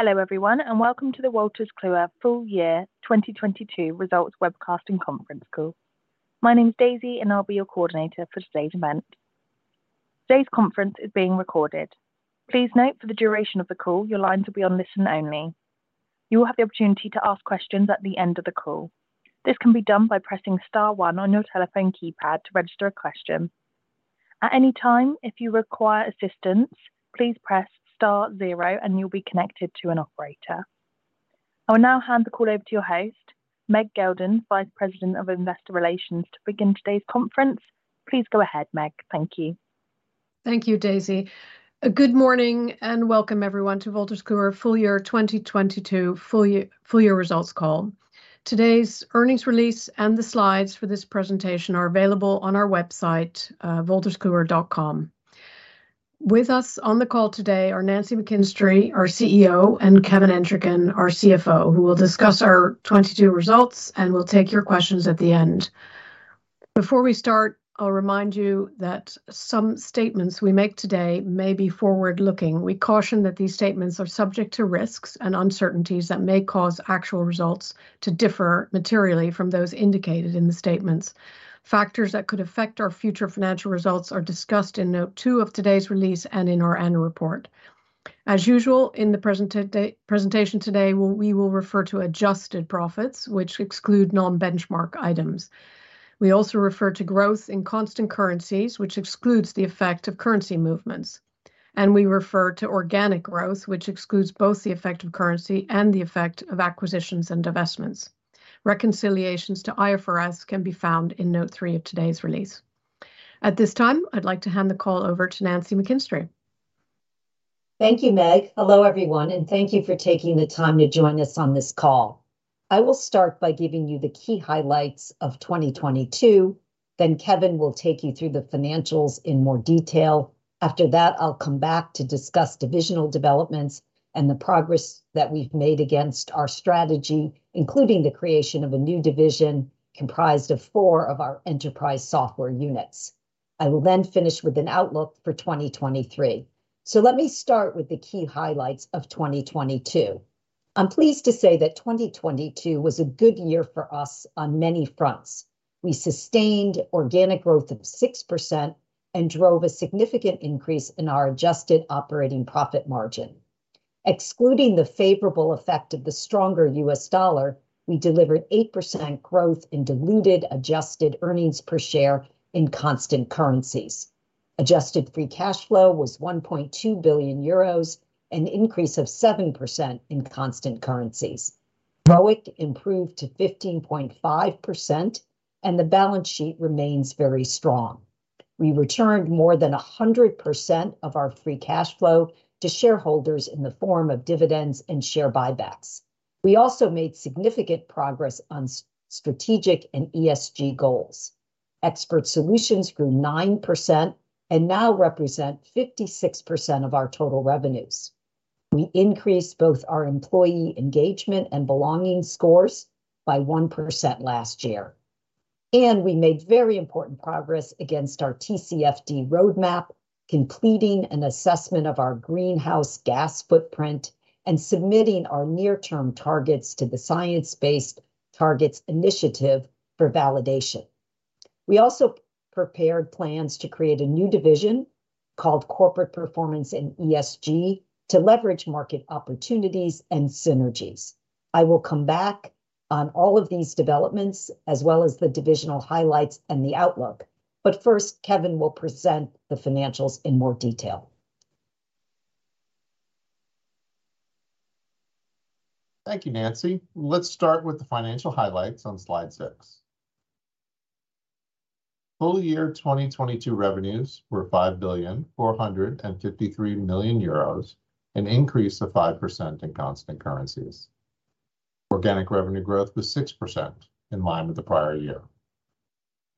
Hello, everyone, and welcome to the Wolters Kluwer Full Year 2022 Results Webcast and Conference Call. My name's Daisy, and I'll be your coordinator for today's event. Today's conference is being recorded. Please note for the duration of the call, your lines will be on listen only. You will have the opportunity to ask questions at the end of the call. This can be done by pressing star one on your telephone keypad to register a question. At any time, if you require assistance, please press star zero and you'll be connected to an operator. I will now hand the call over to your host, Meg Geldens, Vice President of Investor Relations, to begin today's conference. Please go ahead, Meg. Thank you. Thank you, Daisy. Good morning and welcome everyone to Wolters Kluwer Full Year 2022 full year results call. Today's earnings release and the slides for this presentation are available on our website, wolterskluwer.com. With us on the call today are Nancy McKinstry, our CEO, and Kevin Entricken, our CFO, who will discuss our 22 results and will take your questions at the end. Before we start, I'll remind you that some statements we make today may be forward-looking. We caution that these statements are subject to risks and uncertainties that may cause actual results to differ materially from those indicated in the statements. Factors that could affect our future financial results are discussed in note two of today's release and in our annual report. As usual, in the presentation today, we will refer to adjusted profits which exclude non-benchmark items. We also refer to growth in constant currencies, which excludes the effect of currency movements. We refer to organic growth, which excludes both the effect of currency and the effect of acquisitions and divestments. Reconciliations to IFRS can be found in note three of today's release. At this time, I'd like to hand the call over to Nancy McKinstry. Thank you, Meg. Hello, everyone, thank you for taking the time to join us on this call. I will start by giving you the key highlights of 2022. Kevin will take you through the financials in more detail. After that, I'll come back to discuss divisional developments and the progress that we've made against our strategy, including the creation of a new division comprised of four of our enterprise software units. I will then finish with an outlook for 2023. Let me start with the key highlights of 2022. I'm pleased to say that 2022 was a good year for us on many fronts. We sustained organic growth of 6% and drove a significant increase in our adjusted operating profit margin. Excluding the favorable effect of the stronger US dollar, we delivered 8% growth in diluted adjusted earnings per share in constant currencies. Adjusted free cash flow was 1.2 billion euros, an increase of 7% in constant currencies. ROIC improved to 15.5%, and the balance sheet remains very strong. We returned more than 100% of our free cash flow to shareholders in the form of dividends and share buybacks. We also made significant progress on strategic and ESG goals. Expert Solutions grew 9% and now represent 56% of our total revenues. We increased both our employee engagement and belonging scores by 1% last year. We made very important progress against our TCFD roadmap, completing an assessment of our greenhouse gas footprint and submitting our near term targets to the Science Based Targets initiative for validation. We also prepared plans to create a new division called Corporate Performance & ESG to leverage market opportunities and synergies. I will come back on all of these developments as well as the divisional highlights and the outlook. First, Kevin will present the financials in more detail. Thank you, Nancy. Let's start with the financial highlights on slide six. Full year 2022 revenues were 5,453 million euros, an increase of 5% in constant currencies. Organic revenue growth was 6%, in line with the prior year.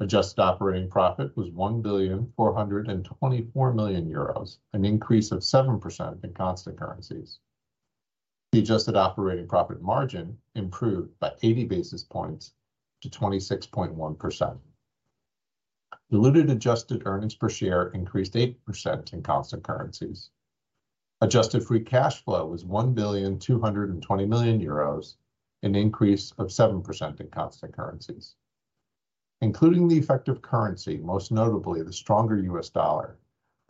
Adjusted operating profit was 1,424 million euros, an increase of 7% in constant currencies. The adjusted operating profit margin improved by 80 basis points to 26.1%. Diluted adjusted earnings per share increased 8% in constant currencies. Adjusted free cash flow was 1,220 million euros, an increase of 7% in constant currencies. Including the effect of currency, most notably the stronger US dollar,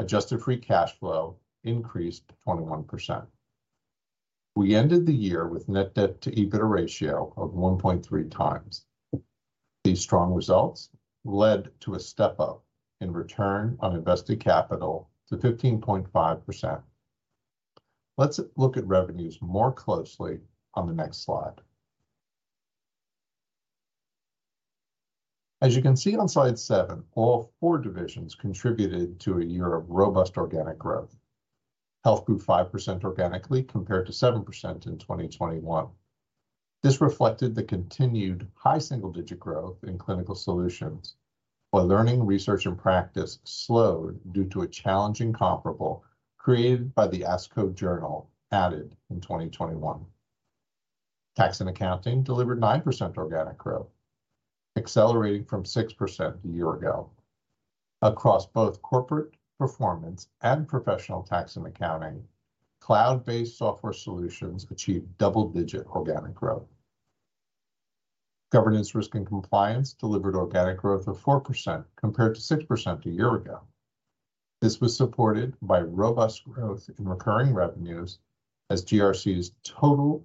adjusted free cash flow increased 21%. We ended the year with net debt to EBITDA ratio of 1.3x. These strong results led to a step-up in return on invested capital to 15.5%. Let's look at revenues more closely on the next slide. As you can see on slide seven all four divisions contributed to a year of robust organic growth. Health grew 5% organically compared to 7% in 2021. This reflected the continued high single digit growth in Clinical Solutions, while Learning, Research and Practice slowed due to a challenging comparable created by the ASCO journal added in 2021. Tax and Accounting delivered 9% organic growth, accelerating from 6% a year ago. Across both Corporate Performance and professional Tax and Accounting, cloud-based software solutions achieved double-digit organic growth. Governance, Risk and Compliance delivered organic growth of 4%, compared to 6% a year ago. This was supported by robust growth in recurring revenues as GRC's total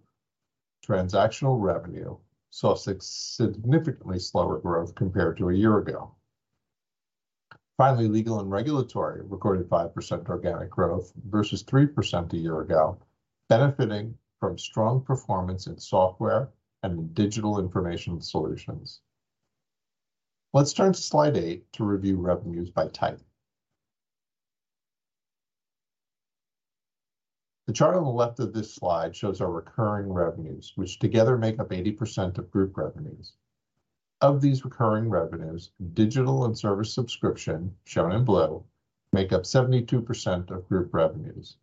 transactional revenue saw significantly slower growth compared to a year ago. Finally, Legal & Regulatory recorded 5% organic growth versus 3% a year ago, benefiting from strong performance in software and in digital information solutions. Let's turn to slide eight to review revenues by type. The chart on the left of this slide shows our recurring revenues, which together make up 80% of group revenues. Of these recurring revenues, digital and service subscription, shown in blue, make up 72% of group revenues.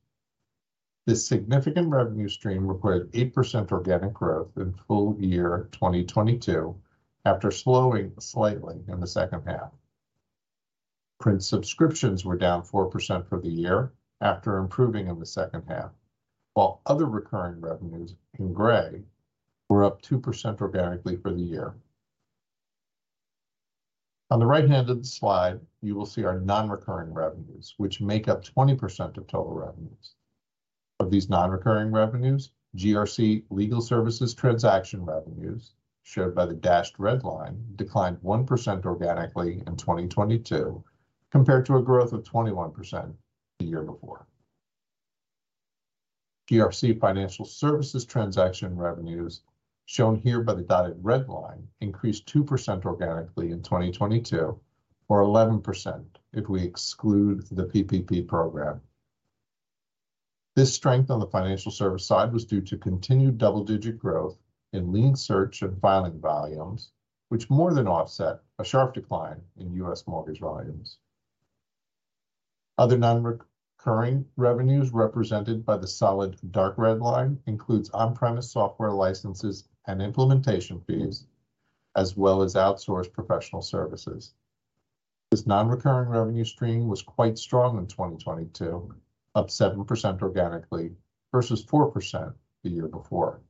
This significant revenue stream recorded 8% organic growth in full year 2022, after slowing slightly in the second half. Print subscriptions were down 4% for the year after improving in the second half, while other recurring revenues, in gray, were up 2% organically for the year. On the right-hand of the slide, you will see our non-recurring revenues, which make up 20% of total revenues. Of these non-recurring revenues, GRC legal services transaction revenues, showed by the dashed red line, declined 1% organically in 2022 compared to a growth of 21% the year before. GRC financial services transaction revenues, shown here by the dotted red line, increased 2% organically in 2022 or 11% if we exclude the PPP program. This strength on the financial service side was due to continued double-digit growth in lien search and filing volumes, which more than offset a sharp decline in U.S. mortgage volumes. Other non-recurring revenues represented by the solid dark red line includes on-premise software licenses and implementation fees, as well as outsourced professional services. This non-recurring revenue stream was quite strong in 2022, up 7% organically versus 4% the year before,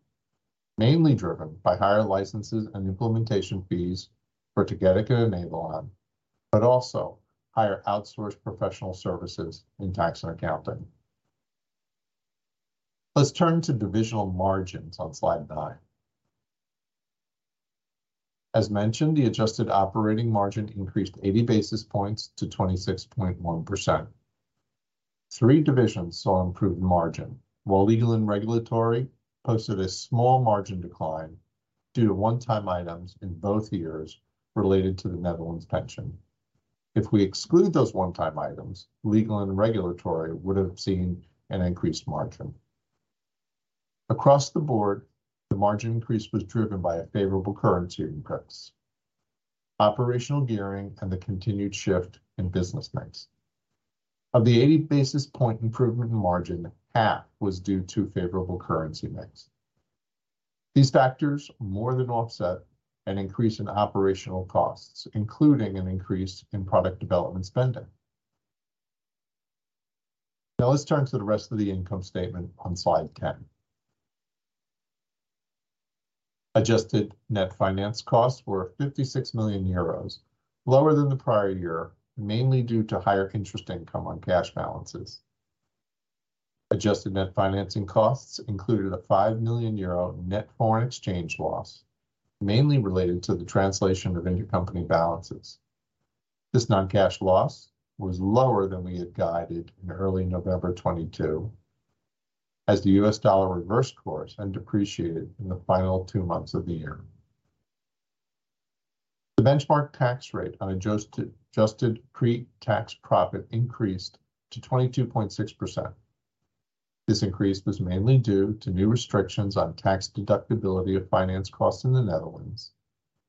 mainly driven by higher licenses and implementation fees for Tagetik and Enablon, also higher outsourced professional services in Tax & Accounting. Let's turn to divisional margins on slide nine. As mentioned, the adjusted operating margin increased 80 basis points to 26.1%. Three divisions saw improved margin. While Legal & Regulatory posted a small margin decline due to one-time items in both years related to the Netherlands pension. If we exclude those one-time items, Legal & Regulatory would have seen an increased margin. Across the board, the margin increase was driven by a favorable currency in place. Operational gearing and the continued shift in business mix. Of the 80 basis point improvement in margin, half was due to favorable currency mix. These factors more than offset an increase in operational costs, including an increase in product development spending. Let's turn to the rest of the income statement on slide 10. Adjusted net finance costs were 56 million euros, lower than the prior year, mainly due to higher interest income on cash balances. Adjusted net financing costs included a 5 million euro net foreign exchange loss, mainly related to the translation of intercompany balances. This non-cash loss was lower than we had guided in early November 2022, as the US dollar reversed course and depreciated in the final two months of the year. The benchmark tax rate on adjusted pre-tax profit increased to 22.6%. This increase was mainly due to new restrictions on tax deductibility of finance costs in the Netherlands,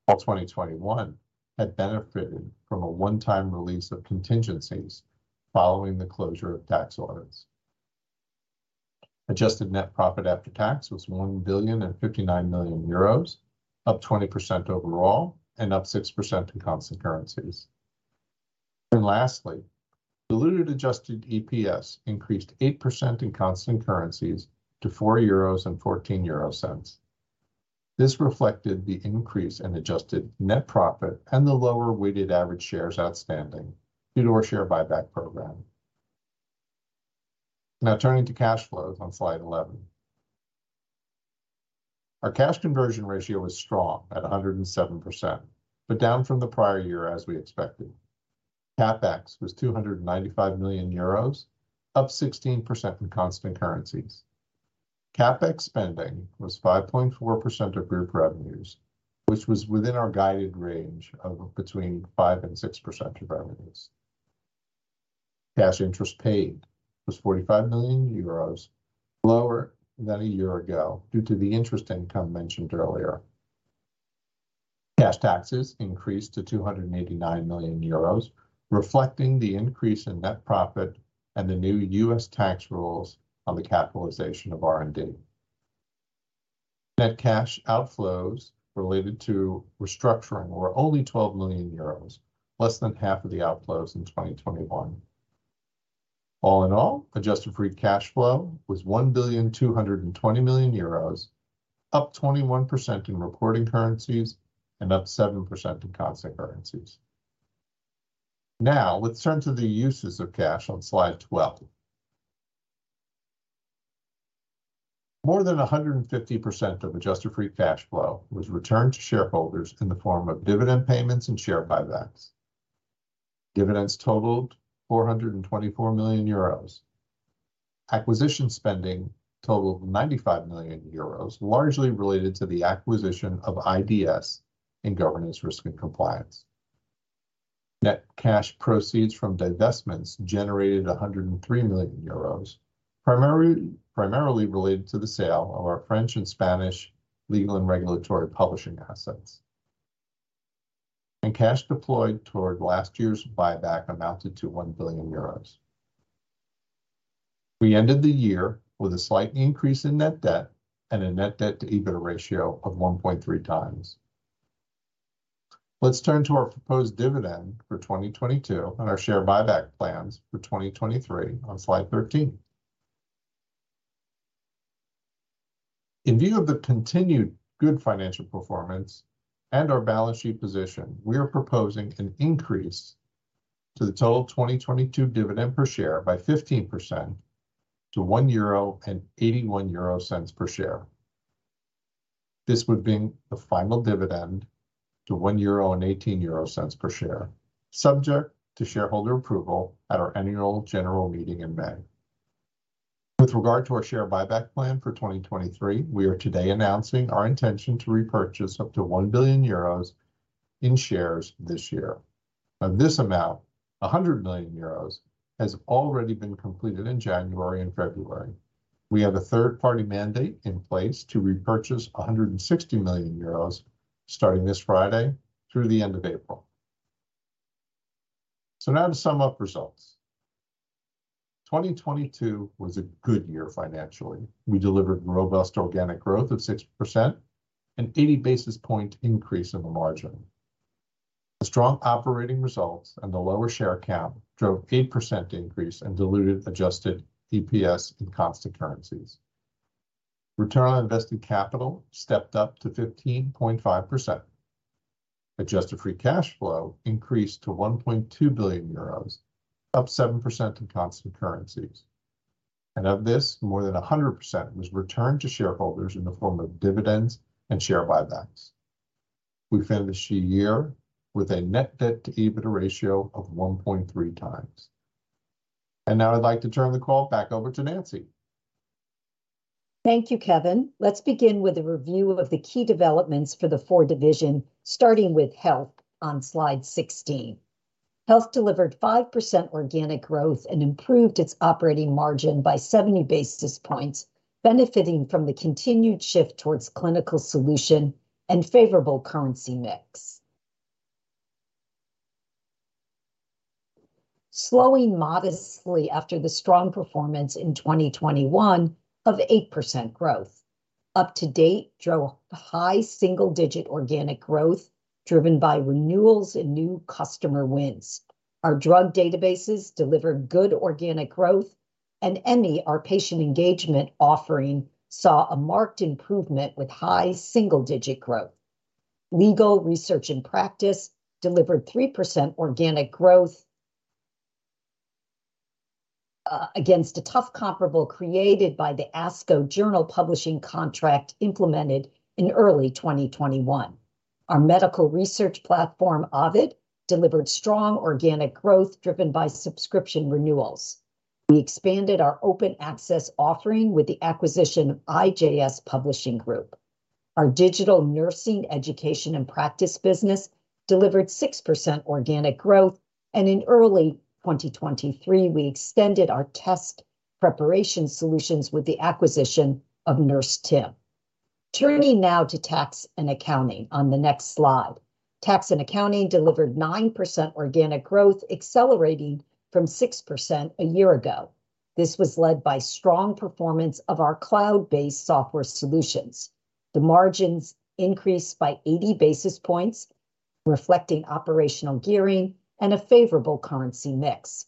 while 2021 had benefited from a one-time release of contingencies following the closure of tax audits. Adjusted net profit after tax was 1,059 million euros, up 20% overall and up 6% in constant currencies. Lastly, diluted adjusted EPS increased 8% in constant currencies to 4.14 euros. This reflected the increase in adjusted net profit and the lower weighted average shares outstanding due to our share buyback program. Turning to cash flows on slide 11. Our cash conversion ratio was strong at 107%, but down from the prior year as we expected. CapEx was 295 million euros, up 16% in constant currencies. CapEx spending was 5.4% of group revenues, which was within our guided range of between 5% and 6% of revenues. Cash interest paid was 45 million euros, lower than a year ago due to the interest income mentioned earlier. Cash taxes increased to 289 million euros, reflecting the increase in net profit and the new US tax rules on the capitalization of R&D. Net cash outflows related to restructuring were only 12 million euros, less than half of the outflows in 2021. All in all, adjusted free cash flow was 1,220 million euros, up 21% in reporting currencies and up 7% in constant currencies. Let's turn to the uses of cash on slide 12. More than 150% of adjusted free cash flow was returned to shareholders in the form of dividend payments and share buybacks. Dividends totaled 424 million euros. Acquisition spending totaled 95 million euros, largely related to the acquisition of IDS in Governance, Risk & Compliance. Net cash proceeds from divestments generated 103 million euros, primarily related to the sale of our French and Spanish Legal & Regulatory publishing assets. Cash deployed toward last year's buyback amounted to 1 billion euros. We ended the year with a slight increase in net debt and a net debt to EBITDA ratio of 1.3x. Let's turn to our proposed dividend for 2022 and our share buyback plans for 2023 on slide 13. In view of the continued good financial performance and our balance sheet position, we are proposing an increase to the total 2022 dividend per share by 15% to 1.81 euro per share. This would bring the final dividend to 1.18 euro per share, subject to shareholder approval at our annual general meeting in May. With regard to our share buyback plan for 2023, we are today announcing our intention to repurchase up to 1 billion euros in shares this year. Of this amount, 100 million euros has already been completed in January and February. We have a third-party mandate in place to repurchase 160 million euros starting this Friday through the end of April. Now to sum up results. 2022 was a good year financially. We delivered robust organic growth of 6%, an 80 basis point increase in the margin. The strong operating results and the lower share count drove 8% increase in diluted adjusted EPS in constant currencies. Return on invested capital stepped up to 15.5%. Adjusted free cash flow increased to 1.2 billion euros, up 7% in constant currencies. Of this, more than 100% was returned to shareholders in the form of dividends and share buybacks. We finished the year with a net debt to EBITDA ratio of 1.3x. Now I'd like to turn the call back over to Nancy. Thank you, Kevin. Let's begin with a review of the key developments for the four division, starting with Health on slide 16. Health delivered 5% organic growth and improved its operating margin by 70 basis points, benefiting from the continued shift towards Clinical Solutions and favorable currency mix. Slowing modestly after the strong performance in 2021 of 8% growth. UpToDate drove high single-digit organic growth driven by renewals and new customer wins. Our drug databases delivered good organic growth. Emmi, our patient engagement offering, saw a marked improvement with high single-digit growth. Legal, Research and Practice delivered 3% organic growth against a tough comparable created by the ASCO Journal publishing contract implemented in early 2021. Our medical research platform, Ovid, delivered strong organic growth driven by subscription renewals. We expanded our open access offering with the acquisition of IJS Publishing Group. Our digital nursing education and practice business delivered 6% organic growth. In early 2023, we extended our test preparation solutions with the acquisition of NurseTim. Turning now to Tax & Accounting on the next slide. Tax & Accounting delivered 9% organic growth, accelerating from 6% a year ago. This was led by strong performance of our cloud-based software solutions. The margins increased by 80 basis points, reflecting operational gearing and a favorable currency mix.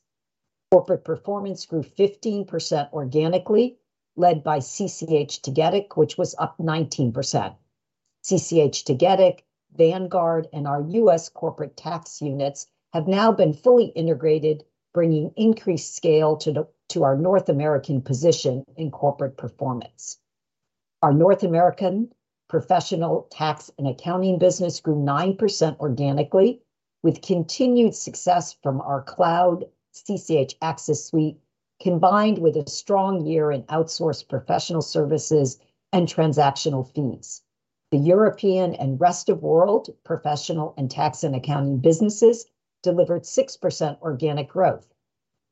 Corporate Performance grew 15% organically, led by CCH Tagetik, which was up 19%. CCH Tagetik, Vanguard, and our U.S. corporate tax units have now been fully integrated, bringing increased scale to our North American position in Corporate Performance. Our North American professional Tax & Accounting business grew 9% organically, with continued success from our cloud CCH Axcess Suite, combined with a strong year in outsourced professional services and transactional fees. The European and rest of world professional Tax & Accounting businesses delivered 6% organic growth.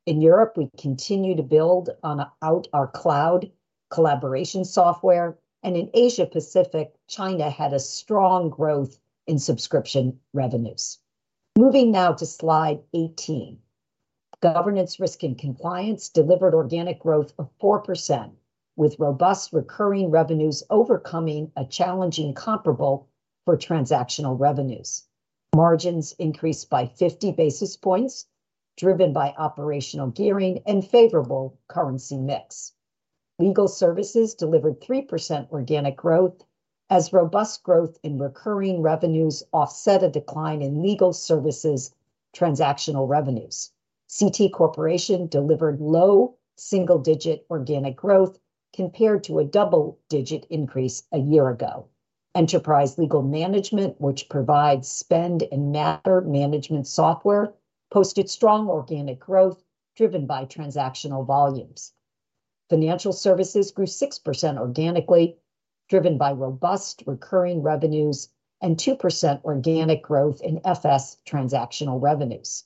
In Europe, we continue to build out our cloud collaboration software. In Asia Pacific, China had a strong growth in subscription revenues. Moving now to slide 18. Governance, Risk & Compliance delivered organic growth of 4%, with robust recurring revenues overcoming a challenging comparable for transactional revenues. Margins increased by 50 basis points, driven by operational gearing and favorable currency mix. Legal services delivered 3% organic growth as robust growth in recurring revenues offset a decline in legal services transactional revenues. CT Corporation delivered low single-digit organic growth compared to a double-digit increase a year ago. Enterprise Legal Management, which provides spend and matter management software, posted strong organic growth driven by transactional volumes. Financial services grew 6% organically, driven by robust recurring revenues and 2% organic growth in FS transactional revenues.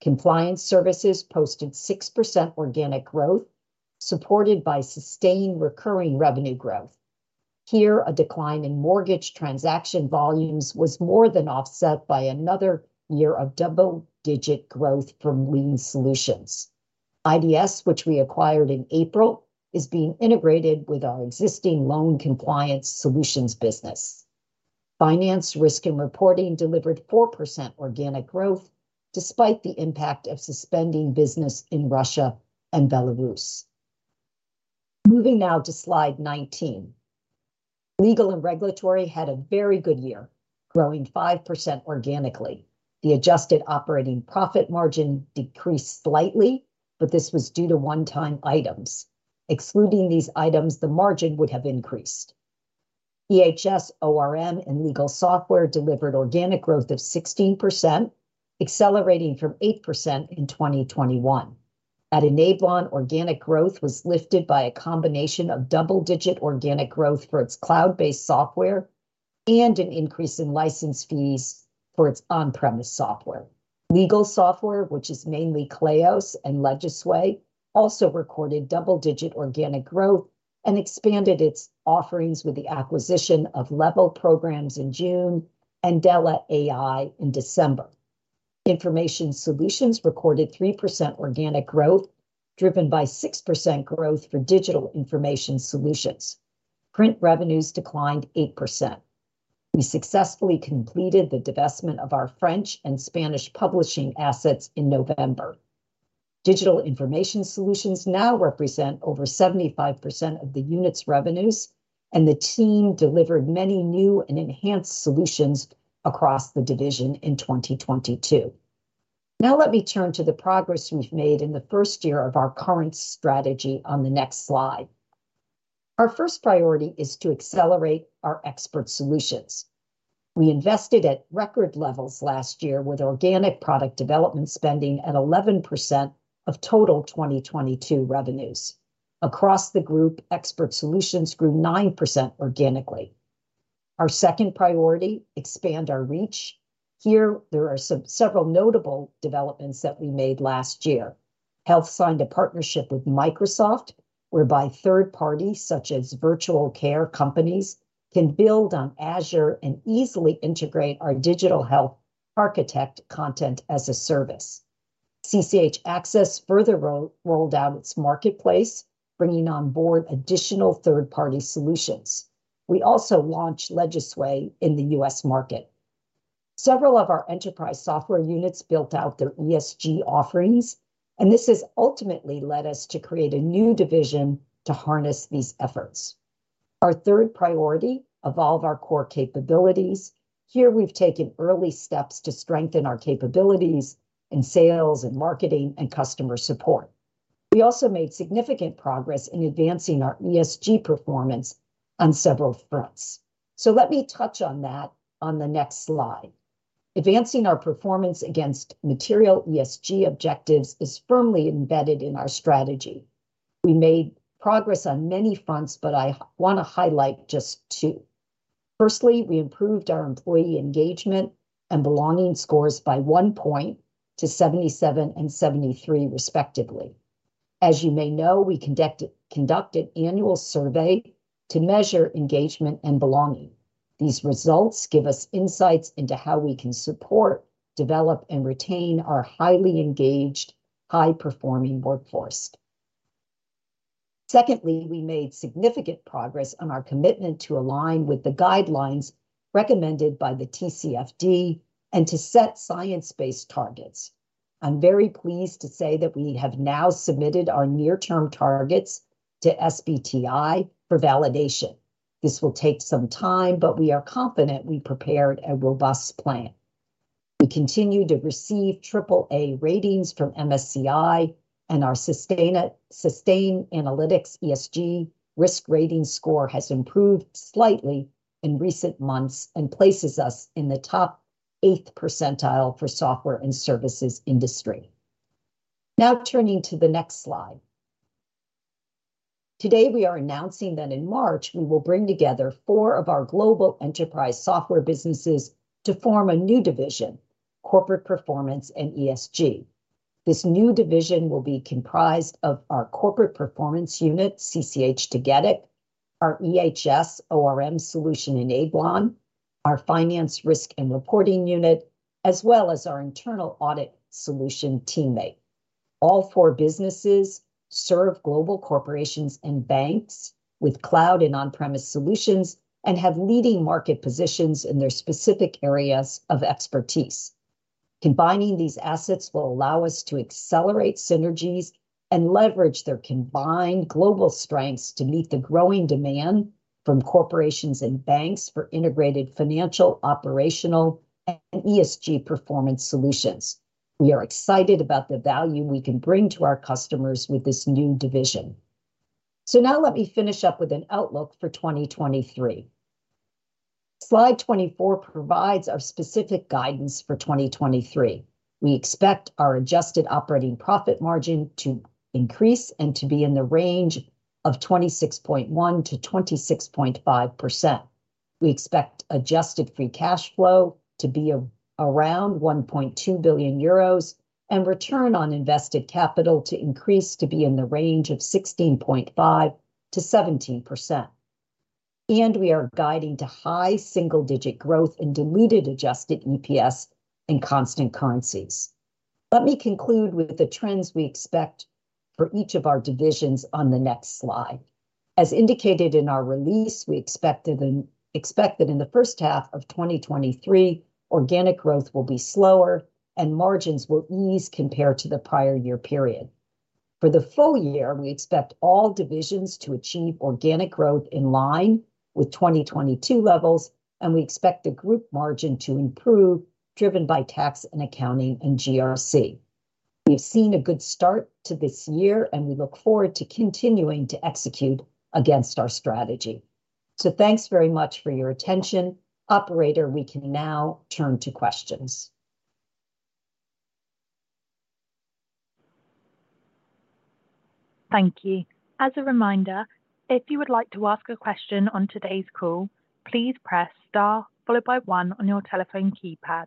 Compliance Solutions posted 6% organic growth, supported by sustained recurring revenue growth. Here, a decline in mortgage transaction volumes was more than offset by another year of double-digit growth from Lien Solutions. IDS, which we acquired in April, is being integrated with our existing loan compliance solutions business. Finance, Risk & Reporting delivered 4% organic growth despite the impact of suspending business in Russia and Belarus. Moving now to slide 19. Legal & Regulatory had a very good year, growing 5% organically. The adjusted operating profit margin decreased slightly, but this was due to one-time items. Excluding these items, the margin would have increased. EHS, ORM, and legal software delivered organic growth of 16%, accelerating from 8% in 2021. At Enablon, organic growth was lifted by a combination of double-digit organic growth for its cloud-based software and an increase in license fees for its on-premise software. Legal software, which is mainly Kleos and Legisway, also recorded double-digit organic growth and expanded its offerings with the acquisition of Level Programs in June and Della AI in December. Information Solutions recorded 3% organic growth, driven by 6% growth for digital information solutions. Print revenues declined 8%. We successfully completed the divestment of our French and Spanish publishing assets in November. Digital information solutions now represent over 75% of the unit's revenues, and the team delivered many new and enhanced solutions across the division in 2022. Now let me turn to the progress we've made in the first year of our current strategy on the next slide. Our first priority is to accelerate our Expert Solutions. We invested at record levels last year with organic product development spending at 11% of total 2022 revenues. Across the group, Expert Solutions grew 9% organically. Our second priority, expand our reach. Here, there are several notable developments that we made last year. Health signed a partnership with Microsoft, whereby third parties such as virtual care companies can build on Azure and easily integrate our Digital Health Architect content as a service. CCH Axcess further rolled out its marketplace, bringing on board additional third-party solutions. We also launched Legisway in the U.S. market. Several of our enterprise software units built out their ESG offerings. This has ultimately led us to create a new division to harness these efforts. Our third priority, evolve our core capabilities. Here we've taken early steps to strengthen our capabilities in sales and marketing and customer support. We also made significant progress in advancing our ESG performance on several fronts. Let me touch on that on the next slide. Advancing our performance against material ESG objectives is firmly embedded in our strategy. We made progress on many fronts. I wanna highlight just two. Firstly, we improved our employee engagement and belonging scores by 1 point to 77 and 73 respectively. As you may know, we conducted annual survey to measure engagement and belonging. These results give us insights into how we can support, develop, and retain our highly engaged, high-performing workforce. We made significant progress on our commitment to align with the guidelines recommended by the TCFD and to set science-based targets. I'm very pleased to say that we have now submitted our near term targets to SBTi for validation. This will take some time, but we are confident we prepared a robust plan. We continue to receive triple A ratings from MSCI and our Sustainalytics ESG risk rating score has improved slightly in recent months and places us in the top eighth percentile for software and services industry. Turning to the next slide. Today we are announcing that in March we will bring together 4 of our global enterprise software businesses to form a new division, Corporate Performance and ESG. This new division will be comprised of our Corporate Performance unit, CCH Tagetik, our EHS ORM solution Enablon, our Finance, Risk & Reporting unit, as well as our internal audit solution TeamMate. All four businesses serve global corporations and banks with cloud and on-premise solutions and have leading market positions in their specific areas of expertise. Combining these assets will allow us to accelerate synergies and leverage their combined global strengths to meet the growing demand from corporations and banks for integrated financial, operational, and ESG performance solutions. We are excited about the value we can bring to our customers with this new division. Now let me finish up with an outlook for 2023. Slide 24 provides our specific guidance for 2023. We expect our adjusted operating profit margin to increase and to be in the range of 26.1%-26.5%. We expect adjusted free cash flow to be around 1.2 billion euros and return on invested capital to increase to be in the range of 16.5%-17%. We are guiding to high single-digit growth in diluted adjusted EPS in constant currencies. Let me conclude with the trends we expect for each of our divisions on the next slide. As indicated in our release, we expect that in the first half of 2023, organic growth will be slower and margins will ease compared to the prior year period. For the full year, we expect all divisions to achieve organic growth in line with 2022 levels, and we expect the group margin to improve, driven by Tax & Accounting and GRC. We've seen a good start to this year, and we look forward to continuing to execute against our strategy. Thanks very much for your attention. Operator, we can now turn to questions. Thank you. As a reminder, if you would like to ask a question on today's call, please press star followed by one on your telephone keypad.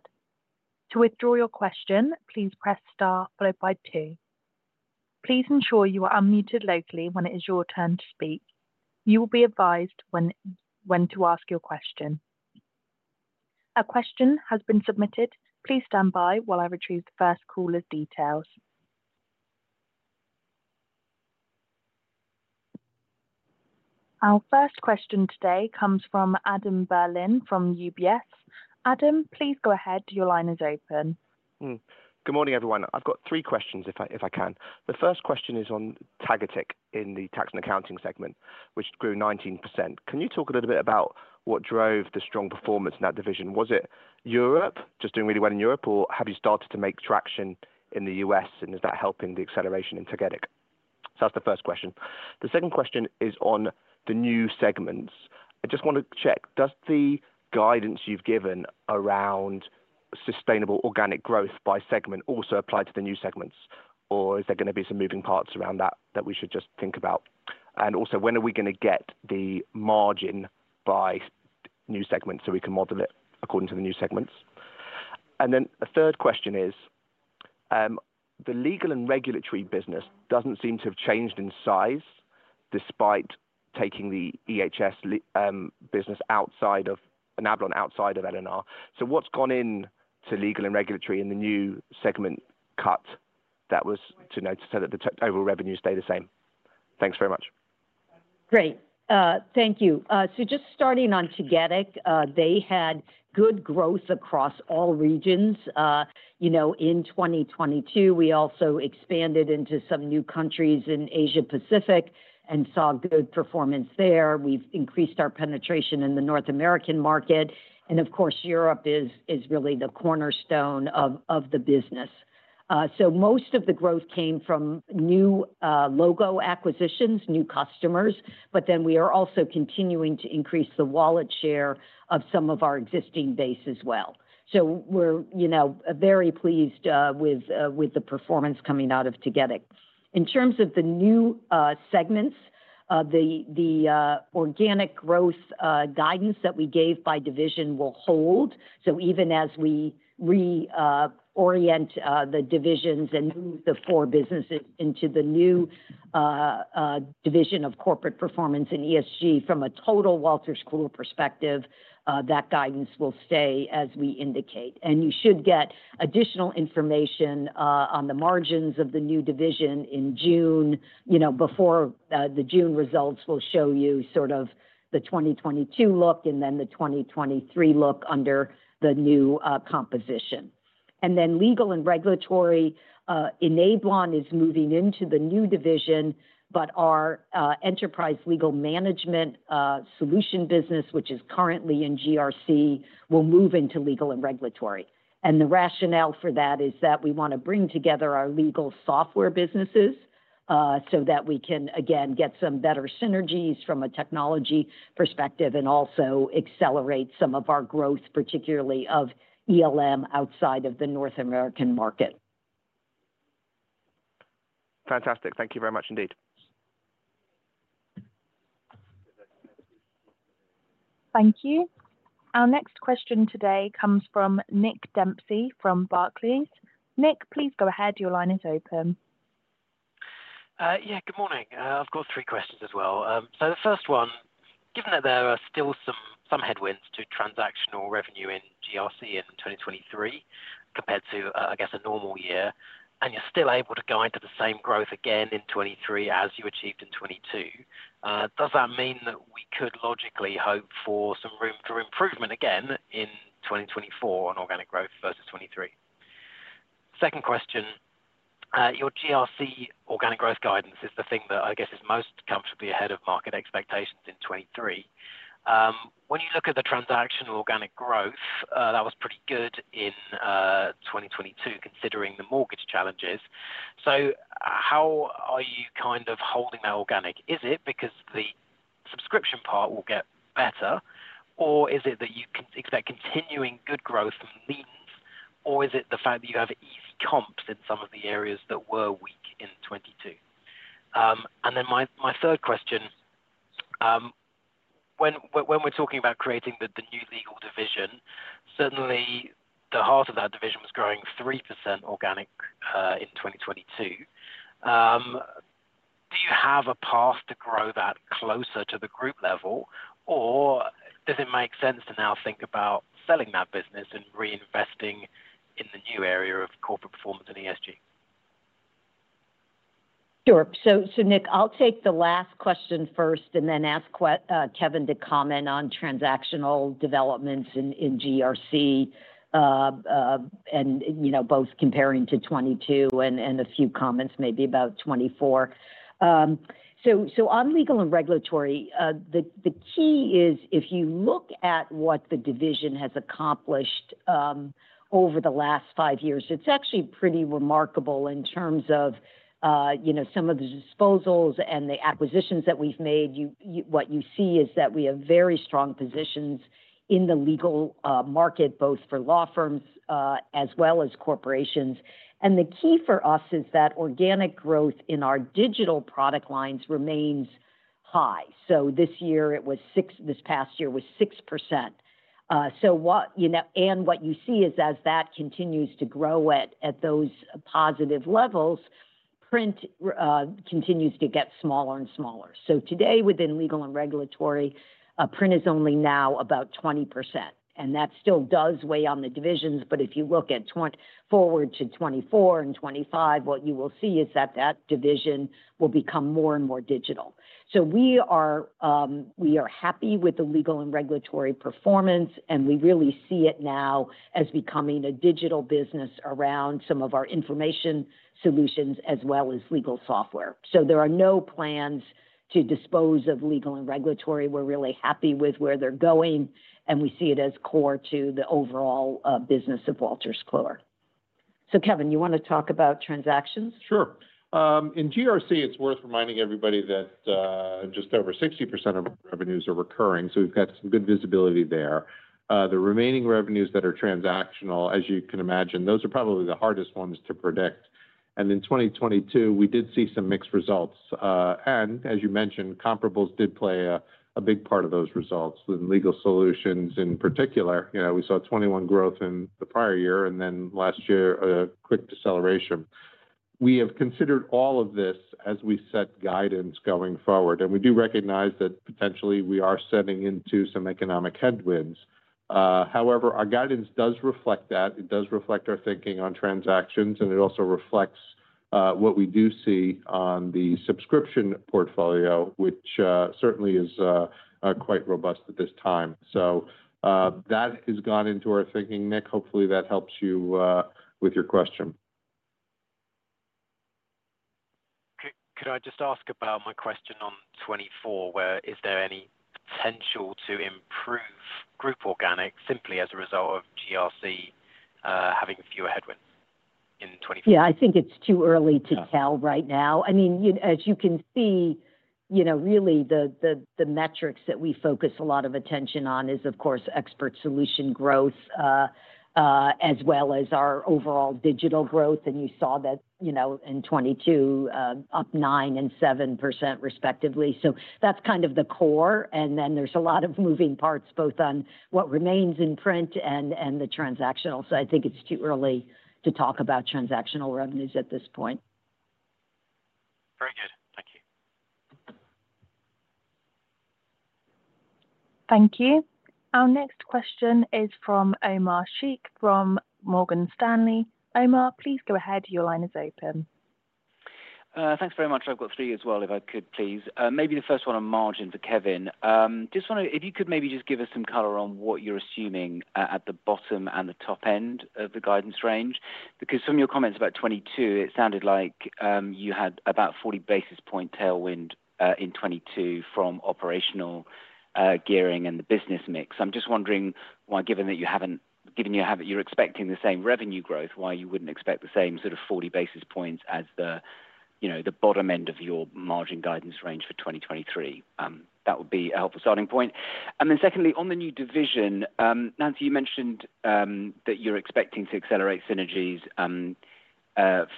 To withdraw your question, please press star followed by two. Please ensure you are unmuted locally when it is your turn to speak. You will be advised when to ask your question. A question has been submitted. Please stand by while I retrieve the first caller's details. Our first question today comes from Adam Berlin from UBS. Adam, please go ahead. Your line is open. Hmm. Good morning, everyone. I've got three questions if I can. The first question is on Tagetik in the Tax & Accounting segment, which grew 19%. Can you talk a little bit about what drove the strong performance in that division? Was it Europe, just doing really well in Europe? Or have you started to make traction in the U.S., and is that helping the acceleration in Tagetik? That's the first question. The second question is on the new segments. I just wanna check, does the guidance you've given around sustainable organic growth by segment also apply to the new segments? Or is there gonna be some moving parts around that that we should just think about? Also, when are we gonna get the margin by new segments, so we can model it according to the new segments? A third question is, the Legal & Regulatory business doesn't seem to have changed in size despite taking the EHS business outside of and Enablon outside of L&R. What's gone into Legal & Regulatory in the new segment cut that was to note so that the overall revenues stay the same? Thanks very much. Great. Thank you. Just starting on Tagetik, they had good growth across all regions. You know, in 2022, we also expanded into some new countries in Asia Pacific and saw good performance there. We've increased our penetration in the North American market, and of course, Europe is really the cornerstone of the business. Most of the growth came from new logo acquisitions, new customers, but then we are also continuing to increase the wallet share of some of our existing base as well. We're, you know, very pleased with the performance coming out of Tagetik. In terms of the new segments, the organic growth guidance that we gave by division will hold. Even as we reorient the divisions and move the four businesses into the new division of Corporate Performance & ESG from a total Wolters Kluwer perspective, that guidance will stay as we indicate. You should get additional information on the margins of the new division in June. You know, before the June results will show you sort of the 2022 look and then the 2023 look under the new composition. Legal & Regulatory, Enablon is moving into the new division, but our Enterprise Legal Management solution business, which is currently in GRC, will move into Legal & Regulatory. The rationale for that is that we wanna bring together our legal software businesses, so that we can again get some better synergies from a technology perspective and also accelerate some of our growth, particularly of ELM outside of the North American market. Fantastic. Thank you very much indeed. Thank you. Our next question today comes from Nick Dempsey from Barclays. Nick, please go ahead. Your line is open. Yeah, good morning. I've got three questions as well. The first one, given that there are still some headwinds to transactional revenue in GRC in 2023 compared to, I guess, a normal year, and you're still able to guide to the same growth again in 2023 as you achieved in 2022, does that mean that we could logically hope for some room for improvement again in 2024 on organic growth versus 2023? Second question, your GRC organic growth guidance is the thing that I guess is most comfortably ahead of market expectations in 2023. When you look at the transactional organic growth, that was pretty good in 2022 considering the mortgage challenges. How are you kind of holding that organic? Is it because the subscription part will get better, or is it that you can expect continuing good growth from leans, or is it the fact that you have easy comps in some of the areas that were weak in 2022? My third question, when we're talking about creating the new legal division, certainly the heart of that division was growing 3% organic in 2022. Do you have a path to grow that closer to the group level, or does it make sense to now think about selling that business and reinvesting in the new area of Corporate Performance & ESG? Sure. Nick, I'll take the last question first and then ask Kevin to comment on transactional developments in GRC, and, you know, both comparing to 2022 and a few comments maybe about 2024. On Legal & Regulatory, the key is if you look at what the division has accomplished over the last five years, it's actually pretty remarkable in terms of, you know, some of the disposals and the acquisitions that we've made. You what you see is that we have very strong positions in the legal market, both for law firms, as well as corporations. The key for us is that organic growth in our digital product lines remains high. This past year was 6%. What, you know, and what you see is as that continues to grow at those positive levels, print continues to get smaller and smaller. Today within Legal & Regulatory, print is only now about 20%, and that still does weigh on the divisions. If you look forward to 2024 and 2025, what you will see is that that division will become more and more digital. We are happy with the Legal & Regulatory performance, and we really see it now as becoming a digital business around some of our information solutions as well as legal software. There are no plans to dispose of Legal & Regulatory. We're really happy with where they're going, and we see it as core to the overall business of Wolters Kluwer. Kevin, you wanna talk about transactions? Sure. In GRC, it's worth reminding everybody that, just over 60% of our revenues are recurring, so we've got some good visibility there. The remaining revenues that are transactional, as you can imagine, those are probably the hardest ones to predict. In 2022, we did see some mixed results. As you mentioned, comparables did play a big part of those results with legal solutions in particular. You know, we saw 21% growth in the prior year and then last year a quick deceleration. We have considered all of this as we set guidance going forward, and we do recognize that potentially we are setting into some economic headwinds. However, our guidance does reflect that. It does reflect our thinking on transactions, and it also reflects what we do see on the subscription portfolio, which certainly is quite robust at this time. That has gone into our thinking, Nick. Hopefully, that helps you with your question. Could I just ask about my question on 2024, where is there any potential to improve group organic simply as a result of GRC having fewer headwinds in 2024? I think it's too early to tell right now. I mean, you, as you can see, you know, really the metrics that we focus a lot of attention on is, of course, Expert Solutions growth, as well as our overall digital growth. You saw that, you know, in 2022, up 9% and 7% respectively. That's kind of the core. Then there's a lot of moving parts both on what remains in print and the transactional. I think it's too early to talk about transactional revenues at this point. Very good. Thank you. Thank you. Our next question is from Omar Sheikh from Morgan Stanley. Omar, please go ahead. Your line is open. Thanks very much. I've got 3 as well, if I could please. Maybe the first one on margin for Kevin Entricken. Just wonder if you could maybe just give us some color on what you're assuming at the bottom and the top end of the guidance range. Because from your comments about 2022, it sounded like, you had about 40 basis point tailwind in 2022 from operational gearing and the business mix. I'm just wondering why, given you have it, you're expecting the same revenue growth, why you wouldn't expect the same sort of 40 basis points as the You know, the bottom end of your margin guidance range for 2023. That would be a helpful starting point. Secondly, on the new division, Nancy, you mentioned that you're expecting to accelerate synergies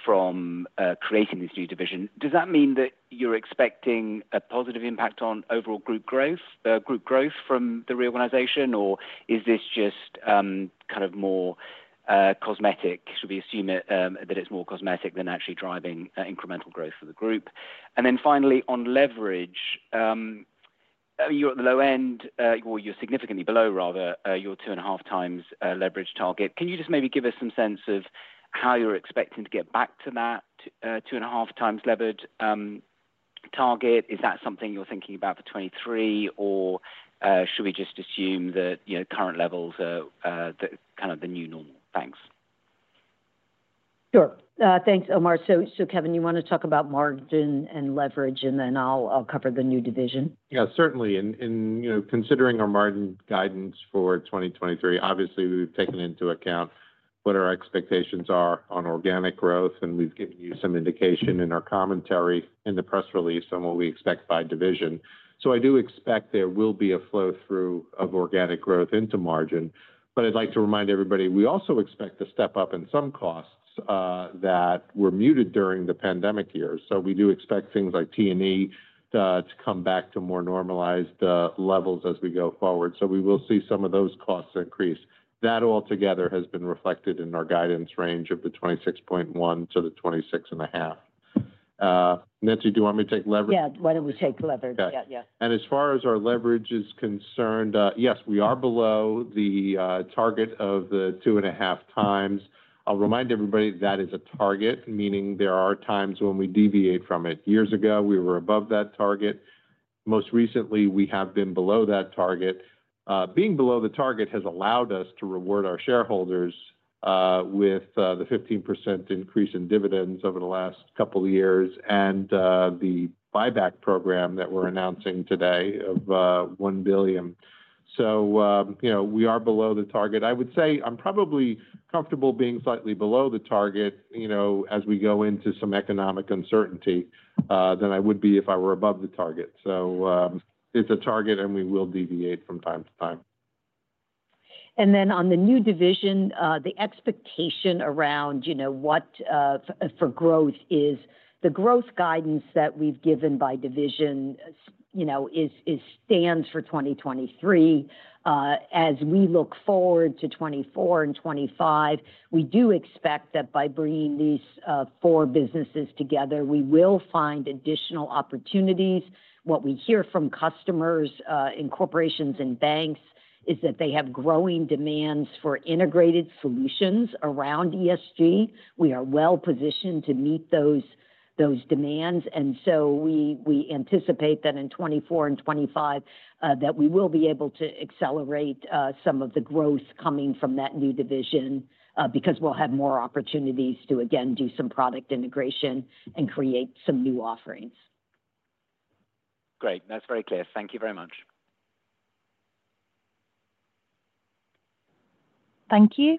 from creating this new division. Does that mean that you're expecting a positive impact on overall group growth from the reorganization? Or is this just kind of more cosmetic? Should we assume it that it's more cosmetic than actually driving incremental growth for the group? Finally, on leverage, you're at the low end, or you're significantly below rather, your 2.5x leverage target. Can you just maybe give us some sense of how you're expecting to get back to that 2.5x levered target? Is that something you're thinking about for 2023, or, should we just assume that, you know, current levels are, the, kind of the new normal? Thanks. Sure. Thanks, Omar. Kevin, you wanna talk about margin and leverage, and then I'll cover the new division. Yeah, certainly. In, in, you know, considering our margin guidance for 2023, obviously we've taken into account what our expectations are on organic growth, and we've given you some indication in our commentary in the press release on what we expect by division. I do expect there will be a flow-through of organic growth into margin. I'd like to remind everybody, we also expect to step up in some costs that were muted during the pandemic years. We do expect things like T&E to come back to more normalized levels as we go forward. We will see some of those costs increase. That all together has been reflected in our guidance range of the 26.1%-26.5%. Nancy, do you want me to take leverage? Yeah, why don't we take leverage? Okay. Yeah, yeah. As far as our leverage is concerned, yes, we are below the target of the 2.5x. I'll remind everybody that is a target, meaning there are times when we deviate from it. Years ago, we were above that target. Most recently, we have been below that target. Being below the target has allowed us to reward our shareholders with the 15% increase in dividends over the last couple of years and the buyback program that we're announcing today of 1 billion. You know, we are below the target. I would say I'm probably comfortable being slightly below the target, you know, as we go into some economic uncertainty than I would be if I were above the target. It's a target, and we will deviate from time to time. On the new division, the expectation around, you know, what for growth is the growth guidance that we've given by division stands for 2023. As we look forward to 2024 and 2025, we do expect that by bringing these four businesses together, we will find additional opportunities. What we hear from customers in corporations and banks is that they have growing demands for integrated solutions around ESG. We are well-positioned to meet those demands. We anticipate that in 2024 and 2025, that we will be able to accelerate some of the growth coming from that new division, because we'll have more opportunities to again, do some product integration and create some new offerings. Great. That's very clear. Thank you very much. Thank you.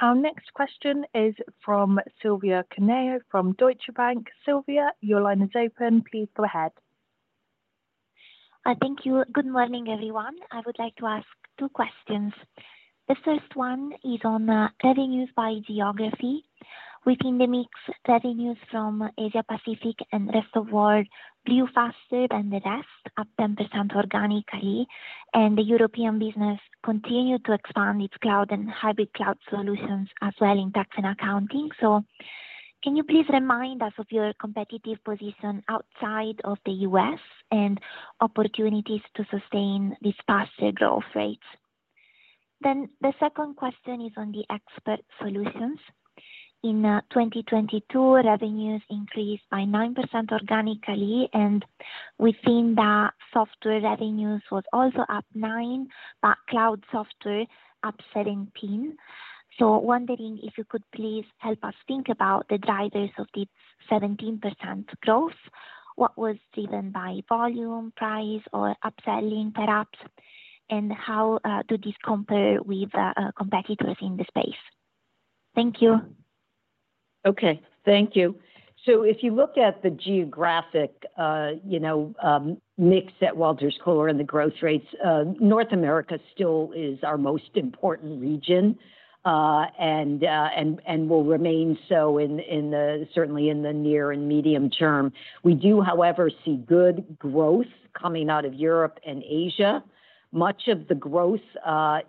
Our next question is from Silvia Cuneo from Deutsche Bank. Silvia, your line is open. Please go ahead. Thank you. Good morning, everyone. I would like to ask two questions. The first one is on revenues by geography. Within the mix, revenues from Asia-Pacific and rest of world grew faster than the rest, up 10% organically, and the European business continued to expand its cloud and hybrid cloud solutions as well in Tax & Accounting. Can you please remind us of your competitive position outside of the US and opportunities to sustain these faster growth rates? The second question is on the Expert Solutions. In 2022, revenues increased by 9% organically, and within that software revenues was also up nine, but cloud software up 17. Wondering if you could please help us think about the drivers of the 17% growth. What was driven by volume, price or upselling, perhaps? How do these compare with competitors in the space? Thank you. Okay. Thank you. If you look at the geographic, you know, mix at Wolters Kluwer and the growth rates, North America still is our most important region, and will remain so certainly in the near and medium term. We do, however, see good growth coming out of Europe and Asia. Much of the growth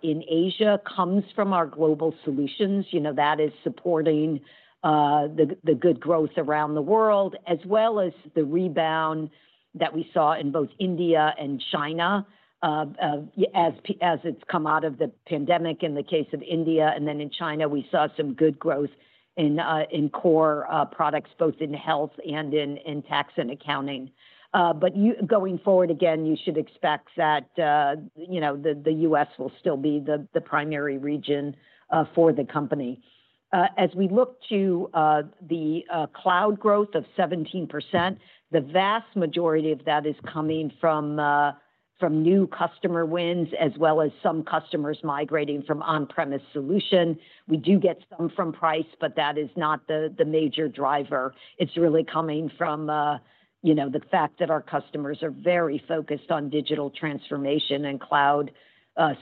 in Asia comes from our global solutions. You know, that is supporting the good growth around the world, as well as the rebound that we saw in both India and China, as it's come out of the pandemic in the case of India. In China, we saw some good growth in core products, both in Health and in Tax & Accounting. Going forward again, you should expect that, you know, the U.S. will still be the primary region for the company. As we look to the cloud growth of 17%, the vast majority of that is coming from new customer wins, as well as some customers migrating from on-premise solution. We do get some from price, but that is not the major driver. It's really coming from, you know, the fact that our customers are very focused on digital transformation, and cloud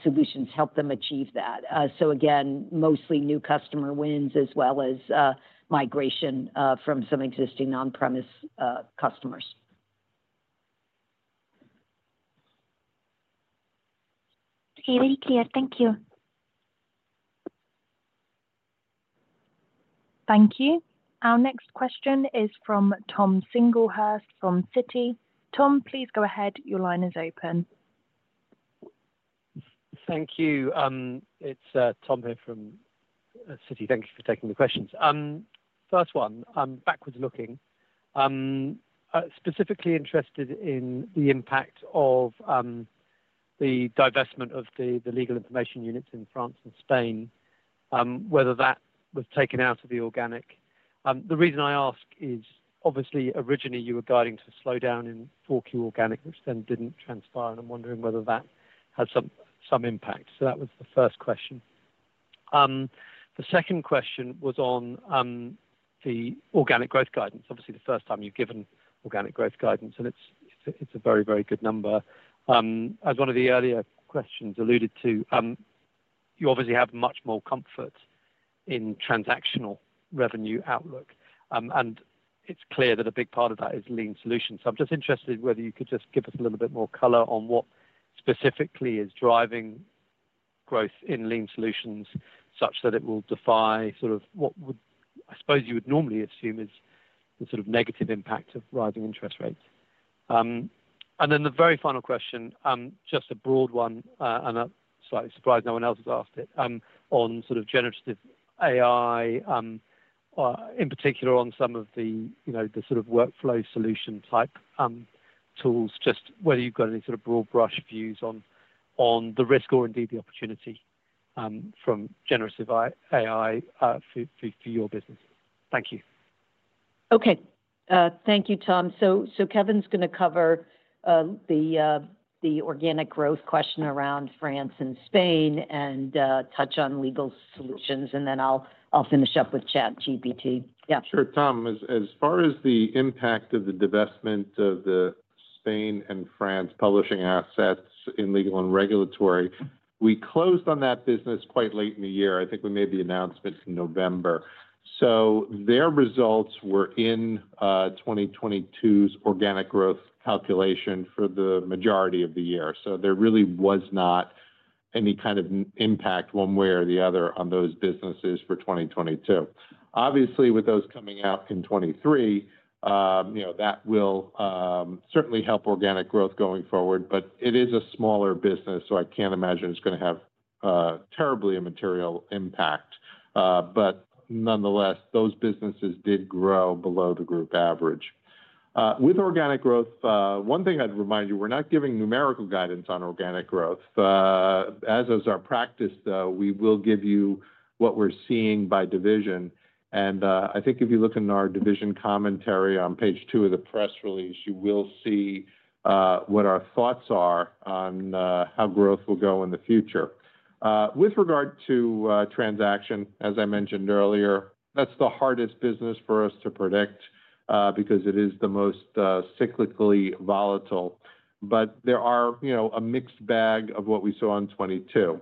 solutions help them achieve that. Again, mostly new customer wins as well as migration from some existing on-premise customers. Okay. Very clear. Thank you. Thank you. Our next question is from Thomas Singlehurst from Citi. Tom, please go ahead. Your line is open. Thank you. Tom here from Citi. Thank you for taking the questions. First one, backwards looking. Specifically interested in the impact of the divestment of the legal information units in France and Spain, whether that was taken out of the organic. The reason I ask is obviously originally you were guiding to slow down in 4Q organic, which then didn't transpire, and I'm wondering whether that had some impact. That was the first question. The second question was on the organic growth guidance. Obviously, the first time you've given organic growth guidance, and it's a very, very good number. As one of the earlier questions alluded to, you obviously have much more comfort in transactional revenue outlook. It's clear that a big part of that is Lien Solutions. I'm just interested whether you could just give us a little bit more color on what specifically is driving growth in Lien Solutions such that it will defy sort of what would I suppose you would normally assume is the sort of negative impact of rising interest rates. Then the very final question, just a broad one, I'm slightly surprised no one else has asked it, on sort of generative AI, in particular on some of the, you know, the sort of workflow solution type, tools, just whether you've got any sort of broad brush views on the risk or indeed the opportunity, from generative AI, for your business. Thank you. Okay. thank you, Tom. Kevin's gonna cover, the organic growth question around France and Spain and, touch on legal solutions, and then I'll finish up with ChatGPT. Yeah. Sure. Tom, as far as the impact of the divestment of the Spain and France publishing assets in Legal & Regulatory, we closed on that business quite late in the year. I think we made the announcement in November. Their results were in 2022's organic growth calculation for the majority of the year. There really was not any kind of impact one way or the other on those businesses for 2022. Obviously, with those coming out in 2023, you know, that will certainly help organic growth going forward. It is a smaller business, so I can't imagine it's gonna have terribly a material impact. Nonetheless, those businesses did grow below the group average. With organic growth, one thing I'd remind you, we're not giving numerical guidance on organic growth. As is our practice, though, we will give you what we're seeing by division. I think if you look in our division commentary on page two of the press release, you will see, what our thoughts are on, how growth will go in the future. With regard to, transaction, as I mentioned earlier, that's the hardest business for us to predict, because it is the most, cyclically volatile. There are, you know, a mixed bag of what we saw in 2022.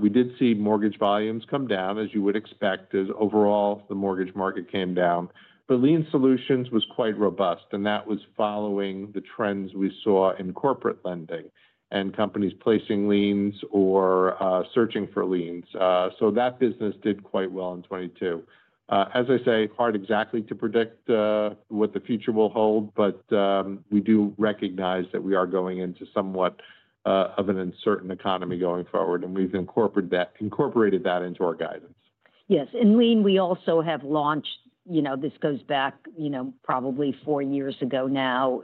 We did see mortgage volumes come down, as you would expect, as overall the mortgage market came down. Lien Solutions was quite robust, and that was following the trends we saw in corporate lending and companies placing liens or, searching for liens. That business did quite well in 2022. as I say, hard exactly to predict, what the future will hold, but, we do recognize that we are going into somewhat, of an uncertain economy going forward, and we've incorporated that into our guidance. Yes. In Lien, we also have launched, you know, this goes back, you know, probably 4 years ago now,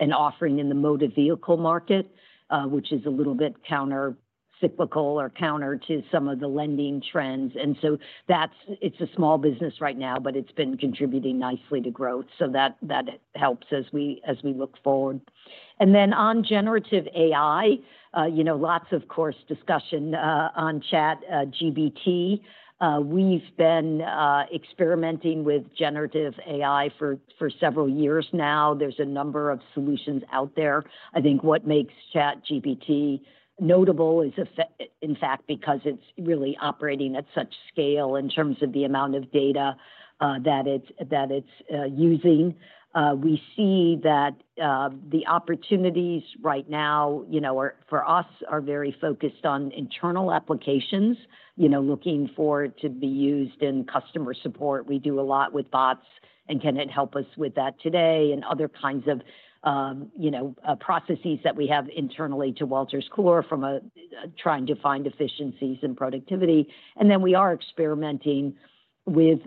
an offering in the motor vehicle market, which is a little bit counter cyclical or counter to some of the lending trends. It's a small business right now, but it's been contributing nicely to growth. That helps as we, as we look forward. On generative AI, you know, lots of course discussion on ChatGPT. We've been experimenting with generative AI for several years now. There's a number of solutions out there. I think what makes ChatGPT notable is in fact, because it's really operating at such scale in terms of the amount of data that it's using. We see that the opportunities right now, you know, are for us, are very focused on internal applications, you know, looking for it to be used in customer support. We do a lot with bots, can it help us with that today and other kinds of processes that we have internally to Wolters Kluwer from a trying to find efficiencies and productivity. We are experimenting with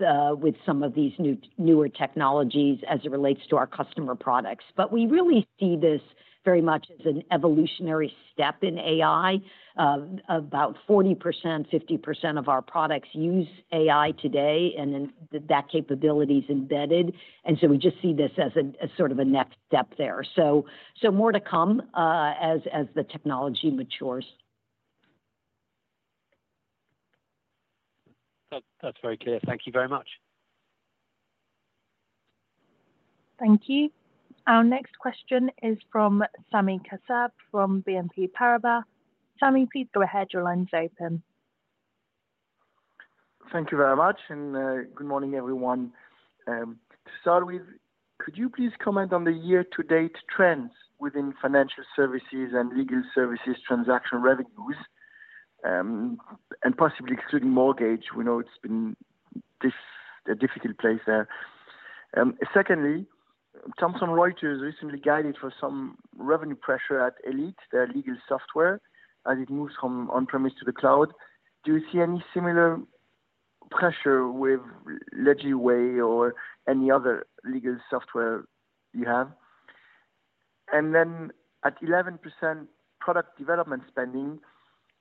some of these newer technologies as it relates to our customer products. We really see this very much as an evolutionary step in AI. About 40%, 50% of our products use AI today, that capability is embedded. We just see this as sort of a next step there. More to come as the technology matures. That's very clear. Thank you very much. Thank you. Our next question is from Sami Kassab from BNP Paribas. Sami, please go ahead. Your line's open. Thank you very much, and good morning, everyone. To start with, could you please comment on the year-to-date trends within financial services and legal services transaction revenues, and possibly excluding mortgage? We know it's been a difficult place there. Secondly, Thomson Reuters recently guided for some revenue pressure at Elite, their legal software, as it moves from on-premise to the cloud. Do you see any similar pressure with Legisway or any other legal software you have? At 11% product development spending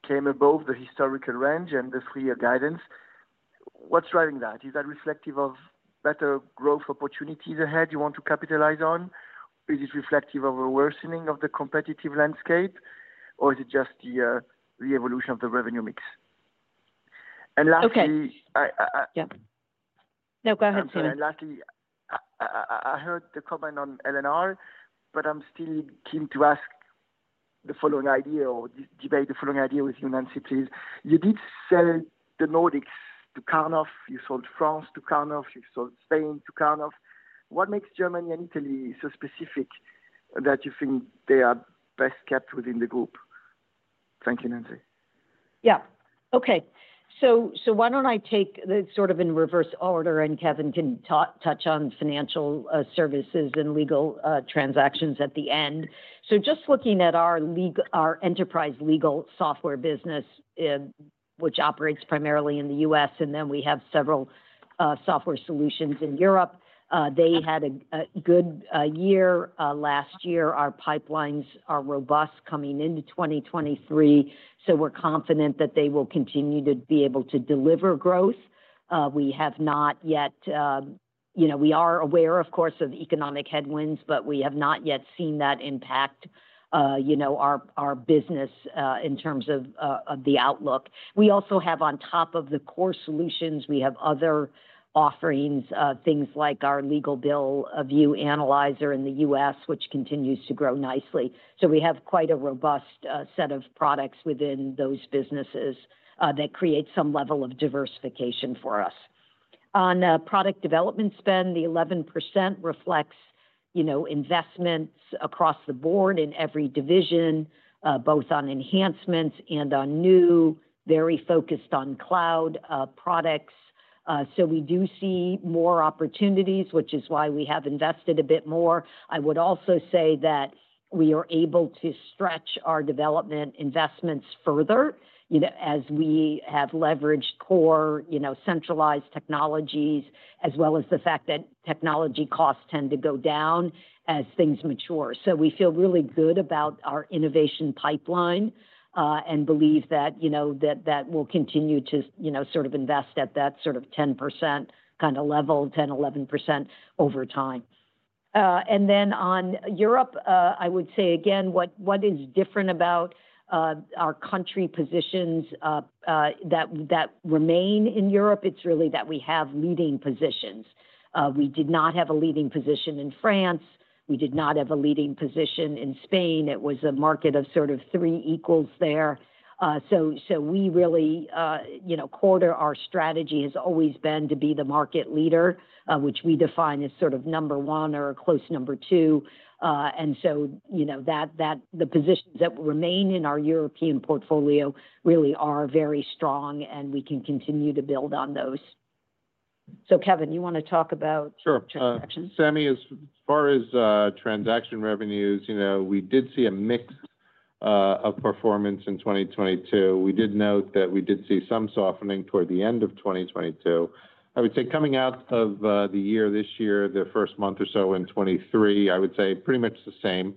came above the historical range and the three-year guidance. What's driving that? Is that reflective of better growth opportunities ahead you want to capitalize on? Is it reflective of a worsening of the competitive landscape, or is it just the evolution of the revenue mix? Lastly, Okay. I, I, I- Yeah. No, go ahead, Sami. Lastly, I heard the comment on L&R, but I'm still keen to ask the following idea or debate the following idea with you, Nancy, please. You did sell the Nordics to Karnov, you sold France to Karnov, you sold Spain to Karnov. What makes Germany and Italy so specific that you think they are best kept within the group? Thank you, Nancy. Yeah. Okay. Why don't I take the sort of in reverse order, Kevin can touch on financial services and legal transactions at the end. Just looking at our enterprise legal software business, which operates primarily in the U.S., we have several software solutions in Europe, they had a good year last year. Our pipelines are robust coming into 2023, we're confident that they will continue to be able to deliver growth. We have not yet. You know, we are aware, of course, of economic headwinds, we have not yet seen that impact, you know, our business in terms of the outlook. We also have on top of the core solutions, we have other offerings, things like our LegalVIEW BillAnalyzer in the U.S., which continues to grow nicely. We have quite a robust set of products within those businesses that create some level of diversification for us. On product development spend, the 11% reflects, you know, investments across the board in every division, both on enhancements and on new, very focused on cloud products. We do see more opportunities, which is why we have invested a bit more. I would also say that we are able to stretch our development investments further, you know, as we have leveraged core, you know, centralized technologies, as well as the fact that technology costs tend to go down as things mature. We feel really good about our innovation pipeline, and believe that, you know, that will continue to, you know, sort of invest at that sort of 10% kinda level, 10%, 11% over time. Then on Europe, I would say again, what is different about our country positions that remain in Europe, it's really that we have leading positions. We did not have a leading position in France. We did not have a leading position in Spain. It was a market of sort of three equals there. So we really, you know, core to our strategy has always been to be the market leader, which we define as sort of number one or close number two. You know, the positions that remain in our European portfolio really are very strong, and we can continue to build on those. So Kevin, you wanna talk about. Sure. -transactions? Sami, as far as transaction revenues, you know, we did see a mix of performance in 2022. We did note that we did see some softening toward the end of 2022. I would say coming out of the year this year, the first month or so in 2023, I would say pretty much the same.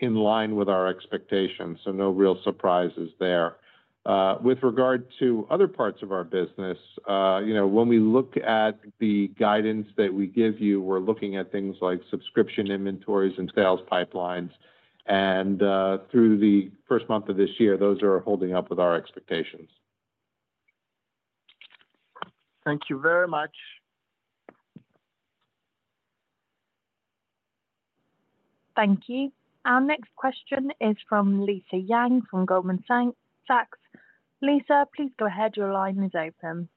In line with our expectations, no real surprises there. With regard to other parts of our business, you know, when we look at the guidance that we give you, we're looking at things like subscription inventories and sales pipelines. Through the first month of this year, those are holding up with our expectations. Thank you very much. Thank you. Our next question is from Lisa Yang from Goldman Sachs. Lisa, please go ahead. Your line is open.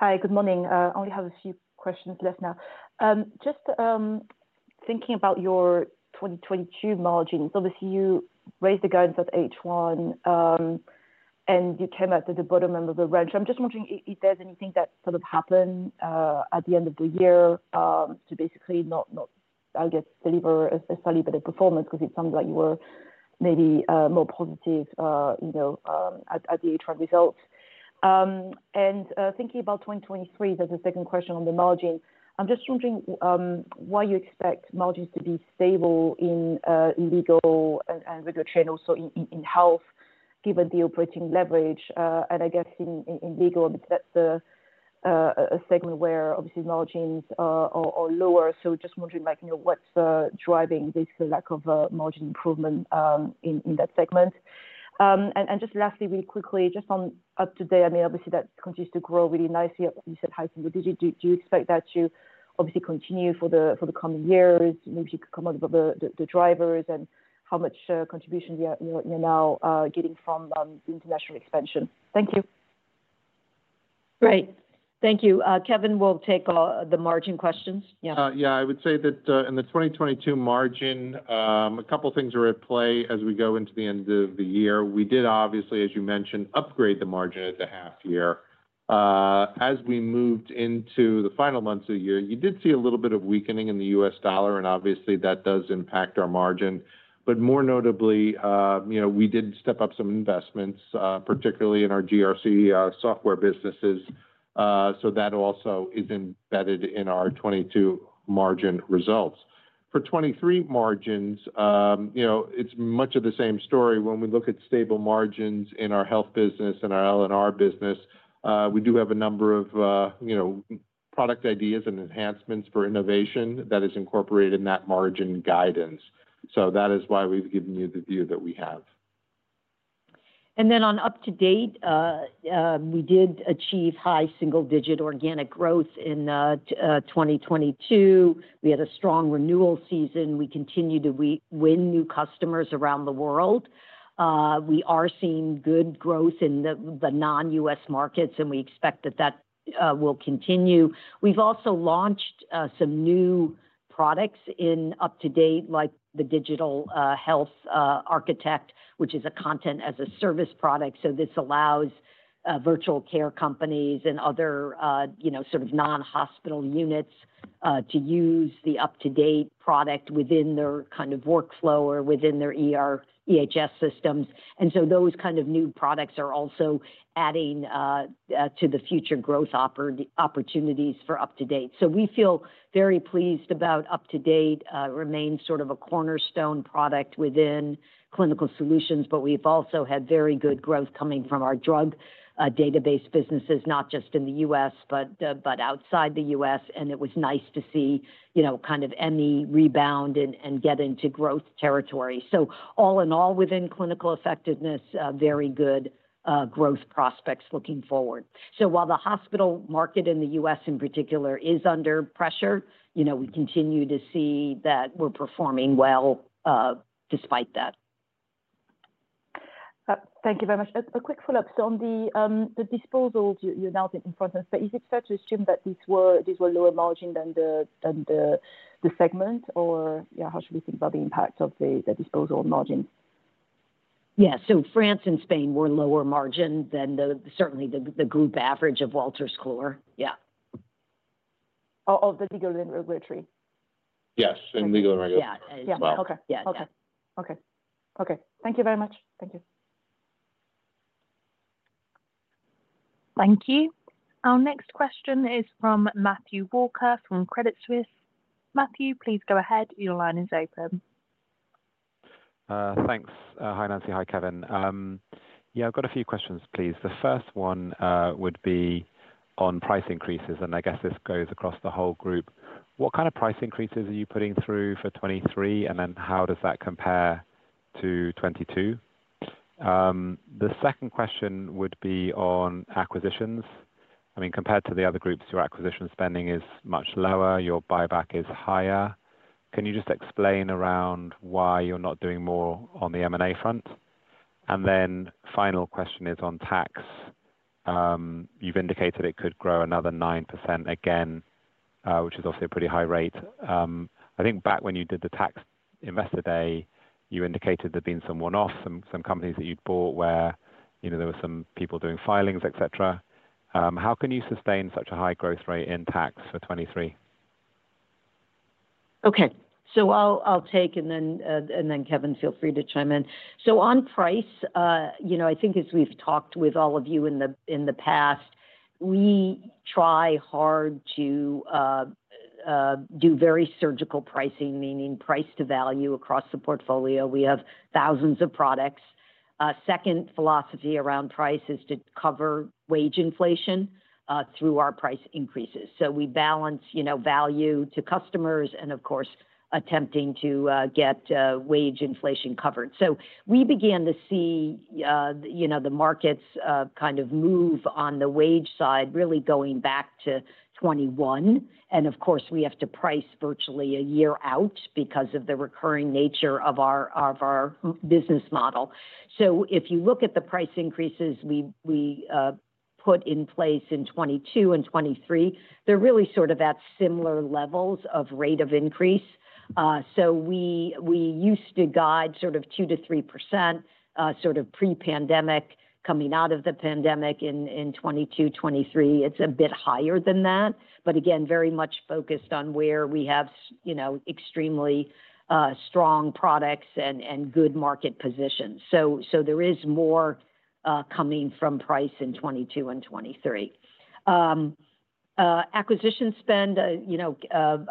Hi, good morning. I only have a few questions left now. Just thinking about your 2022 margins, obviously you raised the guidance at H1, and you came out at the bottom end of the range. I'm just wondering if there's anything that sort of happened at the end of the year to basically not, I'll guess, deliver a solid bit of performance because it sounds like you were maybe more positive, you know, at the H1 results. Thinking about 2023, there's a second question on the margins. I'm just wondering, why you expect margins to be stable in Legal & Regulatory also in Health given the operating leverage, and I guess in Legal because that's a segment where obviously margins are lower? Just wondering, like, you know, what's driving this lack of margin improvement in that segment? Lastly, really quickly, just on UpToDate, I mean, obviously that continues to grow really nicely at high single digits. Do you expect that to obviously continue for the coming years? Maybe you could comment about the drivers and how much contribution you're now getting from the international expansion. Thank you. Great. Thank you. Kevin will take the margin questions. Yeah, I would say that in the 2022 margin, a couple things are at play as we go into the end of the year. We did obviously, as you mentioned, upgrade the margin at the half year. As we moved into the final months of the year, you did see a little bit of weakening in the US dollar, and obviously that does impact our margin. More notably, you know, we did step up some investments, particularly in our GRC software businesses. That also is embedded in our 2022 margin results. For 2023 margins, you know, it's much of the same story. When we look at stable margins in our Health business and our LNR business, we do have a number of, you know, product ideas and enhancements for innovation that is incorporated in that margin guidance. That is why we've given you the view that we have. Then on UpToDate, we did achieve high single-digit organic growth in 2022. We had a strong renewal season. We continue to win new customers around the world. We are seeing good growth in the non-U.S. markets, and we expect that that will continue. We've also launched some new products in UpToDate, like the Digital Health Architect, which is a content as a service product. This allows virtual care companies and other, you know, sort of non-hospital units, to use the UpToDate product within their kind of workflow or within their ER, EHS systems. So those kind of new products are also adding to the future growth opportunities for UpToDate. We feel very pleased about UpToDate. It remains sort of a cornerstone product within Clinical Solutions, but we've also had very good growth coming from our drug database businesses, not just in the US, but outside the US. It was nice to see, you know, kind of ME rebound and get into growth territory. All in all, within Clinical Effectiveness, very good growth prospects looking forward. While the hospital market in the US in particular is under pressure, you know, we continue to see that we're performing well despite that. Thank you very much. A quick follow-up. On the disposals you announced in France. Is it fair to assume that these were lower margin than the segment? Yeah, how should we think about the impact of the disposal margin? Yeah. France and Spain were lower margin than certainly the group average of Wolters Kluwer. Yeah. Of the Legal & Regulatory? Yes, in Legal & Regulatory as well. Yeah. Yeah. Okay. Yeah. Okay. Okay. Okay. Thank you very much. Thank you. Thank you. Our next question is from Matthew Walker from Credit Suisse. Matthew, please go ahead. Your line is open. Thanks. Hi, Nancy. Hi, Kevin. I've got a few questions, please. The first one would be on price increases, and I guess this goes across the whole group. What kind of price increases are you putting through for 23, and then how does that compare to 22? The second question would be on acquisitions. I mean, compared to the other groups, your acquisition spending is much lower, your buyback is higher. Can you just explain around why you're not doing more on the M&A front? Final question is on tax. You've indicated it could grow another 9% again, which is also a pretty high rate. I think back when you did the tax investor day, you indicated there'd been some one-offs, some companies that you'd bought where, you know, there were some people doing filings, et cetera. How can you sustain such a high growth rate in tax for 23? Okay. I'll take and then, Kevin, feel free to chime in. On price, you know, I think as we've talked with all of you in the past, we try hard to do very surgical pricing, meaning price to value across the portfolio. We have thousands of products. Second philosophy around price is to cover wage inflation through our price increases. We balance, you know, value to customers and of course, attempting to get wage inflation covered. We began to see, you know, the markets kind of move on the wage side, really going back to 2021. Of course, we have to price virtually a year out because of the recurring nature of our business model. If you look at the price increases we put in place in 2022 and 2023, they're really sort of at similar levels of rate of increase. We used to guide sort of 2%-3% sort of pre-pandemic. Coming out of the pandemic in 2022, 2023, it's a bit higher than that, but again, very much focused on where we have you know, extremely strong products and good market position. There is more coming from price in 2022 and 2023. Acquisition spend, you know,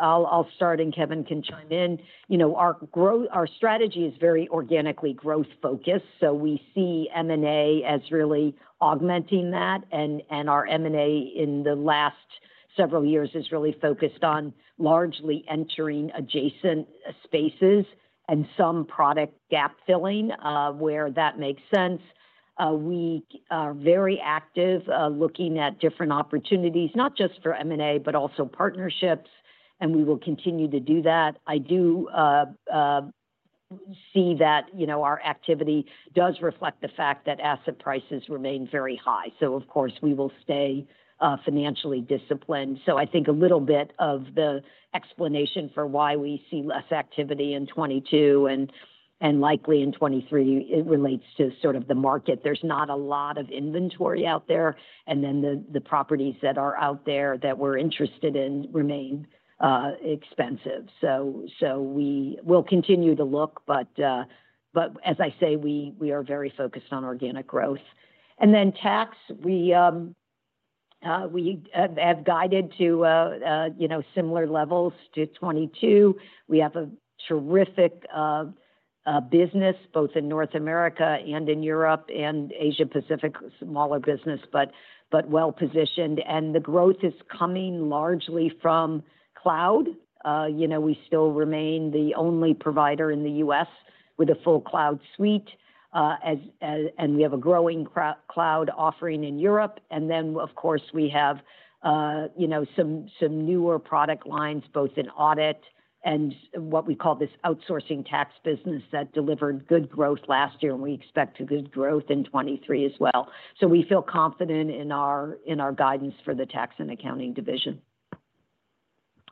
I'll start and Kevin can chime in. You know, our strategy is very organically growth-focused, we see M&A as really augmenting that. Our M&A in the last several years is really focused on largely entering adjacent spaces and some product gap filling, where that makes sense. We are very active, looking at different opportunities, not just for M&A, but also partnerships, and we will continue to do that. I do see that, you know, our activity does reflect the fact that asset prices remain very high, so of course, we will stay financially disciplined. I think a little bit of the explanation for why we see less activity in 2022 and likely in 2023, it relates to sort of the market. There's not a lot of inventory out there, and then the properties that are out there that we're interested in remain expensive. So we'll continue to look, but as I say, we are very focused on organic growth. Tax, we have guided to, you know, similar levels to 2022. We have a terrific business both in North America and in Europe and Asia Pacific. Smaller business, but well-positioned. The growth is coming largely from cloud. You know, we still remain the only provider in the U.S. with a full cloud suite, and we have a growing cloud offering in Europe. Of course, we have, you know, some newer product lines, both in audit and what we call this outsourcing tax business that delivered good growth last year, and we expect a good growth in 2023 as well. We feel confident in our, in our guidance for the Tax & Accounting division.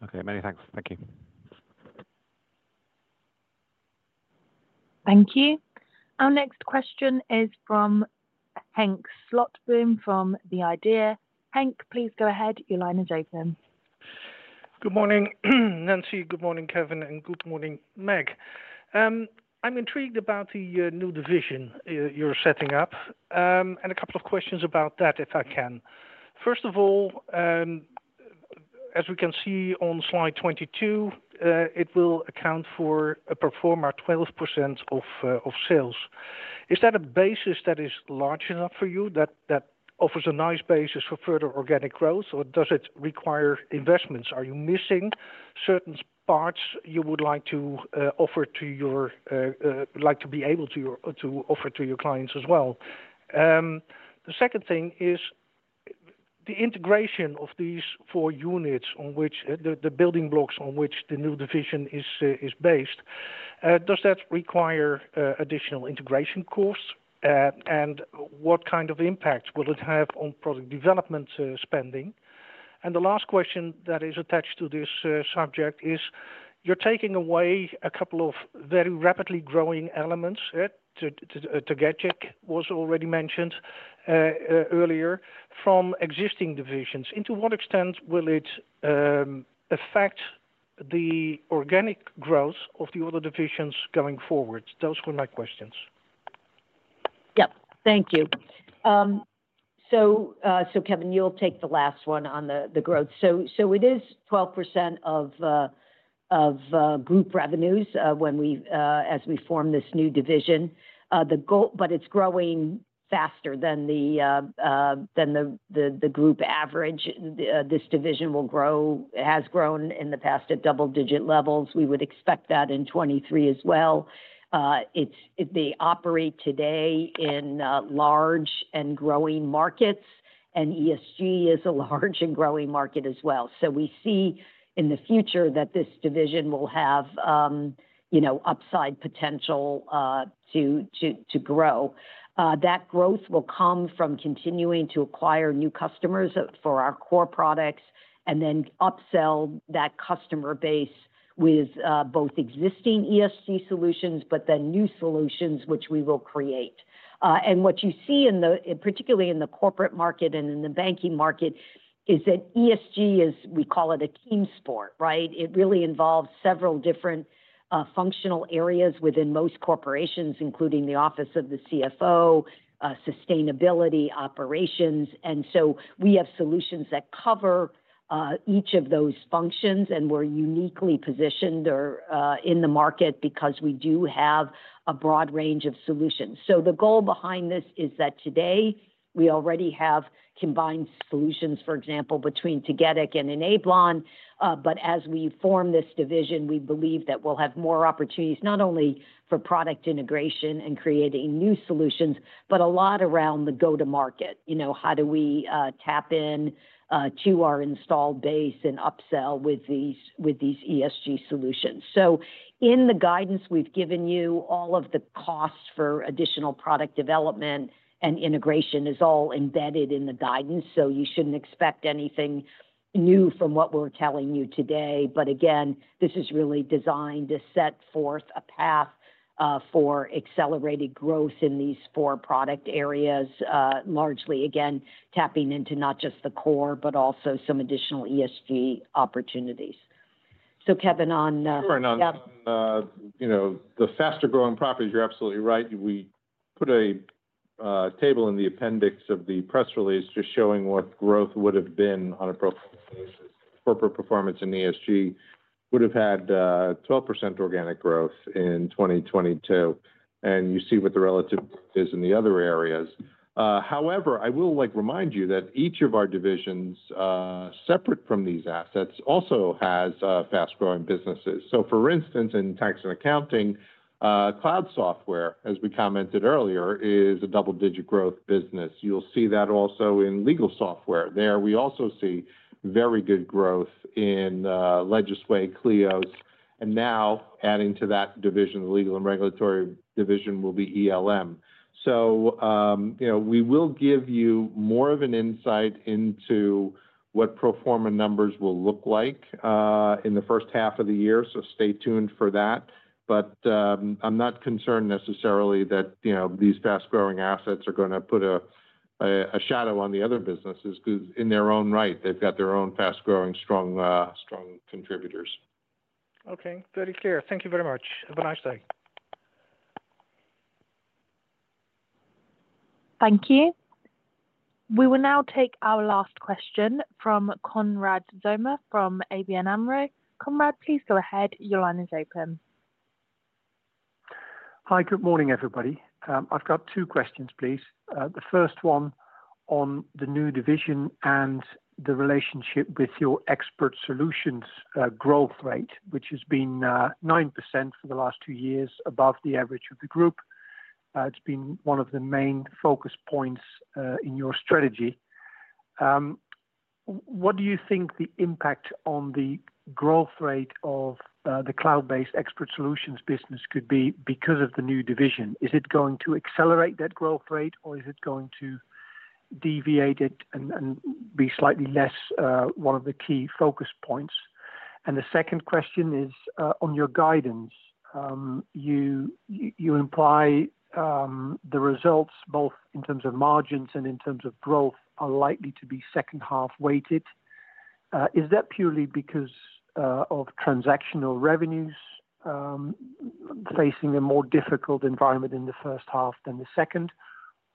Okay. Nancy thanks. Thank you. Thank you. Our next question is from Henk Slotboom from the IDEA. Henk, please go ahead. Your line is open. Good morning, Nancy, good morning, Kevin, and good morning, Meg. I'm intrigued about the new division you're setting up, and a couple of questions about that if I can. First of all, as we can see on slide 22, it will account for a pro forma 12% of sales. Is that a basis that is large enough for you that offers a nice basis for further organic growth, or does it require investments? Are you missing certain parts you would like to be able to offer to your clients as well? The second thing is the integration of these four units on which the building blocks on which the new division is based, does that require additional integration costs? What kind of impact will it have on product development, spending? The last question that is attached to this subject is you're taking away a couple of very rapidly growing elements, yeah. CCH Tagetik was already mentioned, earlier from existing divisions. To what extent will it affect the organic growth of the other divisions going forward? Those were my questions. Yep. Thank you. Kevin, you'll take the last one on the growth. It is 12% of group revenues when we as we form this new division. It's growing faster than the group average. This division will grow. It has grown in the past at double-digit levels. We would expect that in 2023 as well. They operate today in large and growing markets, and ESG is a large and growing market as well. We see in the future that this division will have, you know, upside potential to grow. That growth will come from continuing to acquire new customers for our core products and then upsell that customer base with both existing ESG solutions, but then new solutions which we will create. What you see particularly in the corporate market and in the banking market is that ESG is, we call it a team sport, right? It really involves several different functional areas within most corporations, including the office of the CFO, sustainability operations. We have solutions that cover each of those functions, and we're uniquely positioned or in the market because we do have a broad range of solutions. The goal behind this is that today we already have combined solutions, for example, between CCH Tagetik and Enablon. As we form this division, we believe that we'll have more opportunities, not only for product integration and creating new solutions, but a lot around the go-to-market. You know, how do we tap in to our installed base and upsell with these ESG solutions? In the guidance we've given you, all of the costs for additional product development and integration is all embedded in the guidance, so you shouldn't expect anything new from what we're telling you today. Again, this is really designed to set forth a path for accelerated growth in these four product areas, largely, again, tapping into not just the core, but also some additional ESG opportunities. Kevin on. Sure. On, on, you know, the faster growing properties, you're absolutely right. We put a table in the appendix of the press release just showing what growth would have been on a pro forma basis. Corporate Performance & ESG would have had 12% organic growth in 2022. You see what the relative growth is in the other areas. However, I will, like, remind you that each of our divisions, separate from these assets also has fast-growing businesses. For instance, in Tax & Accounting, cloud software, as we commented earlier, is a double-digit growth business. You'll see that also in legal software. There we also see very good growth in Legisway, Kleos, and now adding to that division, the Legal & Regulatory division will be ELM. You know, we will give you more of an insight into what pro forma numbers will look like, in the 1st half of the year, so stay tuned for that. I'm not concerned necessarily that, you know, these fast-growing assets are gonna put a shadow on the other businesses 'cause in their own right, they've got their own fast-growing, strong contributors. Okay. Very clear. Thank you very much. Have a nice day. Thank you. We will now take our last question from Konrad Zomer from ABN AMRO. Konrad, please go ahead. Your line is open. Hi, good morning, everybody. I've got two questions, please. The first one on the new division and the relationship with your Expert Solutions growth rate, which has been 9% for the last 2 years above the average of the group. What do you think the impact on the growth rate of the cloud-based Expert Solutions business could be because of the new division? Is it going to accelerate that growth rate, or is it going to deviate it and be slightly less one of the key focus points? The second question is on your guidance. You imply the results both in terms of margins and in terms of growth are likely to be second half weighted. Is that purely because of transactional revenues, facing a more difficult environment in the first half than the second,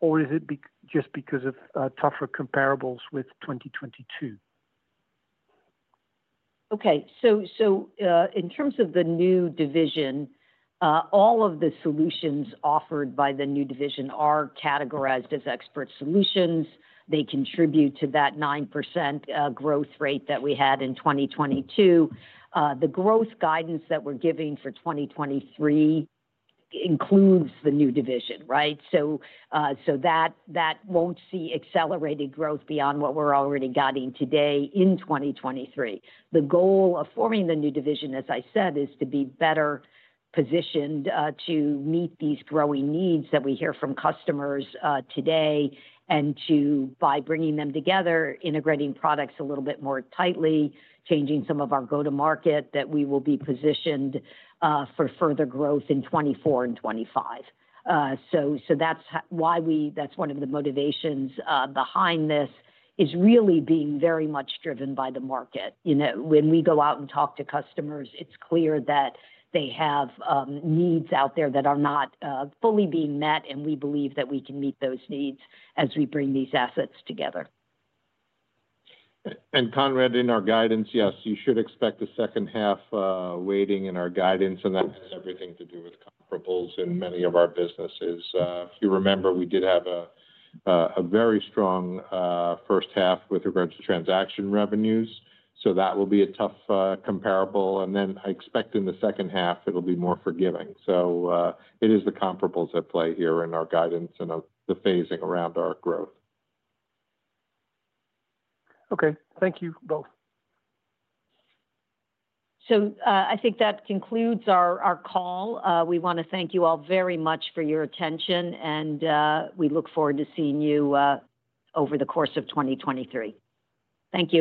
or is it just because of tougher comparables with 2022? Okay. In terms of the new division, all of the solutions offered by the new division are categorized as Expert Solutions. They contribute to that 9% growth rate that we had in 2022. The growth guidance that we're giving for 2023 includes the new division, right? That won't see accelerated growth beyond what we're already guiding today in 2023. The goal of forming the new division, as I said, is to be better positioned to meet these growing needs that we hear from customers today, and to, by bringing them together, integrating products a little bit more tightly, changing some of our go-to-market, that we will be positioned for further growth in 2024 and 2025. That's one of the motivations behind this is really being very much driven by the market. You know, when we go out and talk to customers, it's clear that they have needs out there that are not fully being met, and we believe that we can meet those needs as we bring these assets together. Konrad, in our guidance, yes, you should expect a second half weighting in our guidance, that has everything to do with comparables in many of our businesses. If you remember, we did have a very strong first half with regards to transaction revenues, that will be a tough comparable. I expect in the second half it'll be more forgiving. It is the comparables at play here in our guidance and of the phasing around our growth. Okay. Thank you both. I think that concludes our call. We wanna thank you all very much for your attention, and, we look forward to seeing you, over the course of 2023. Thank you.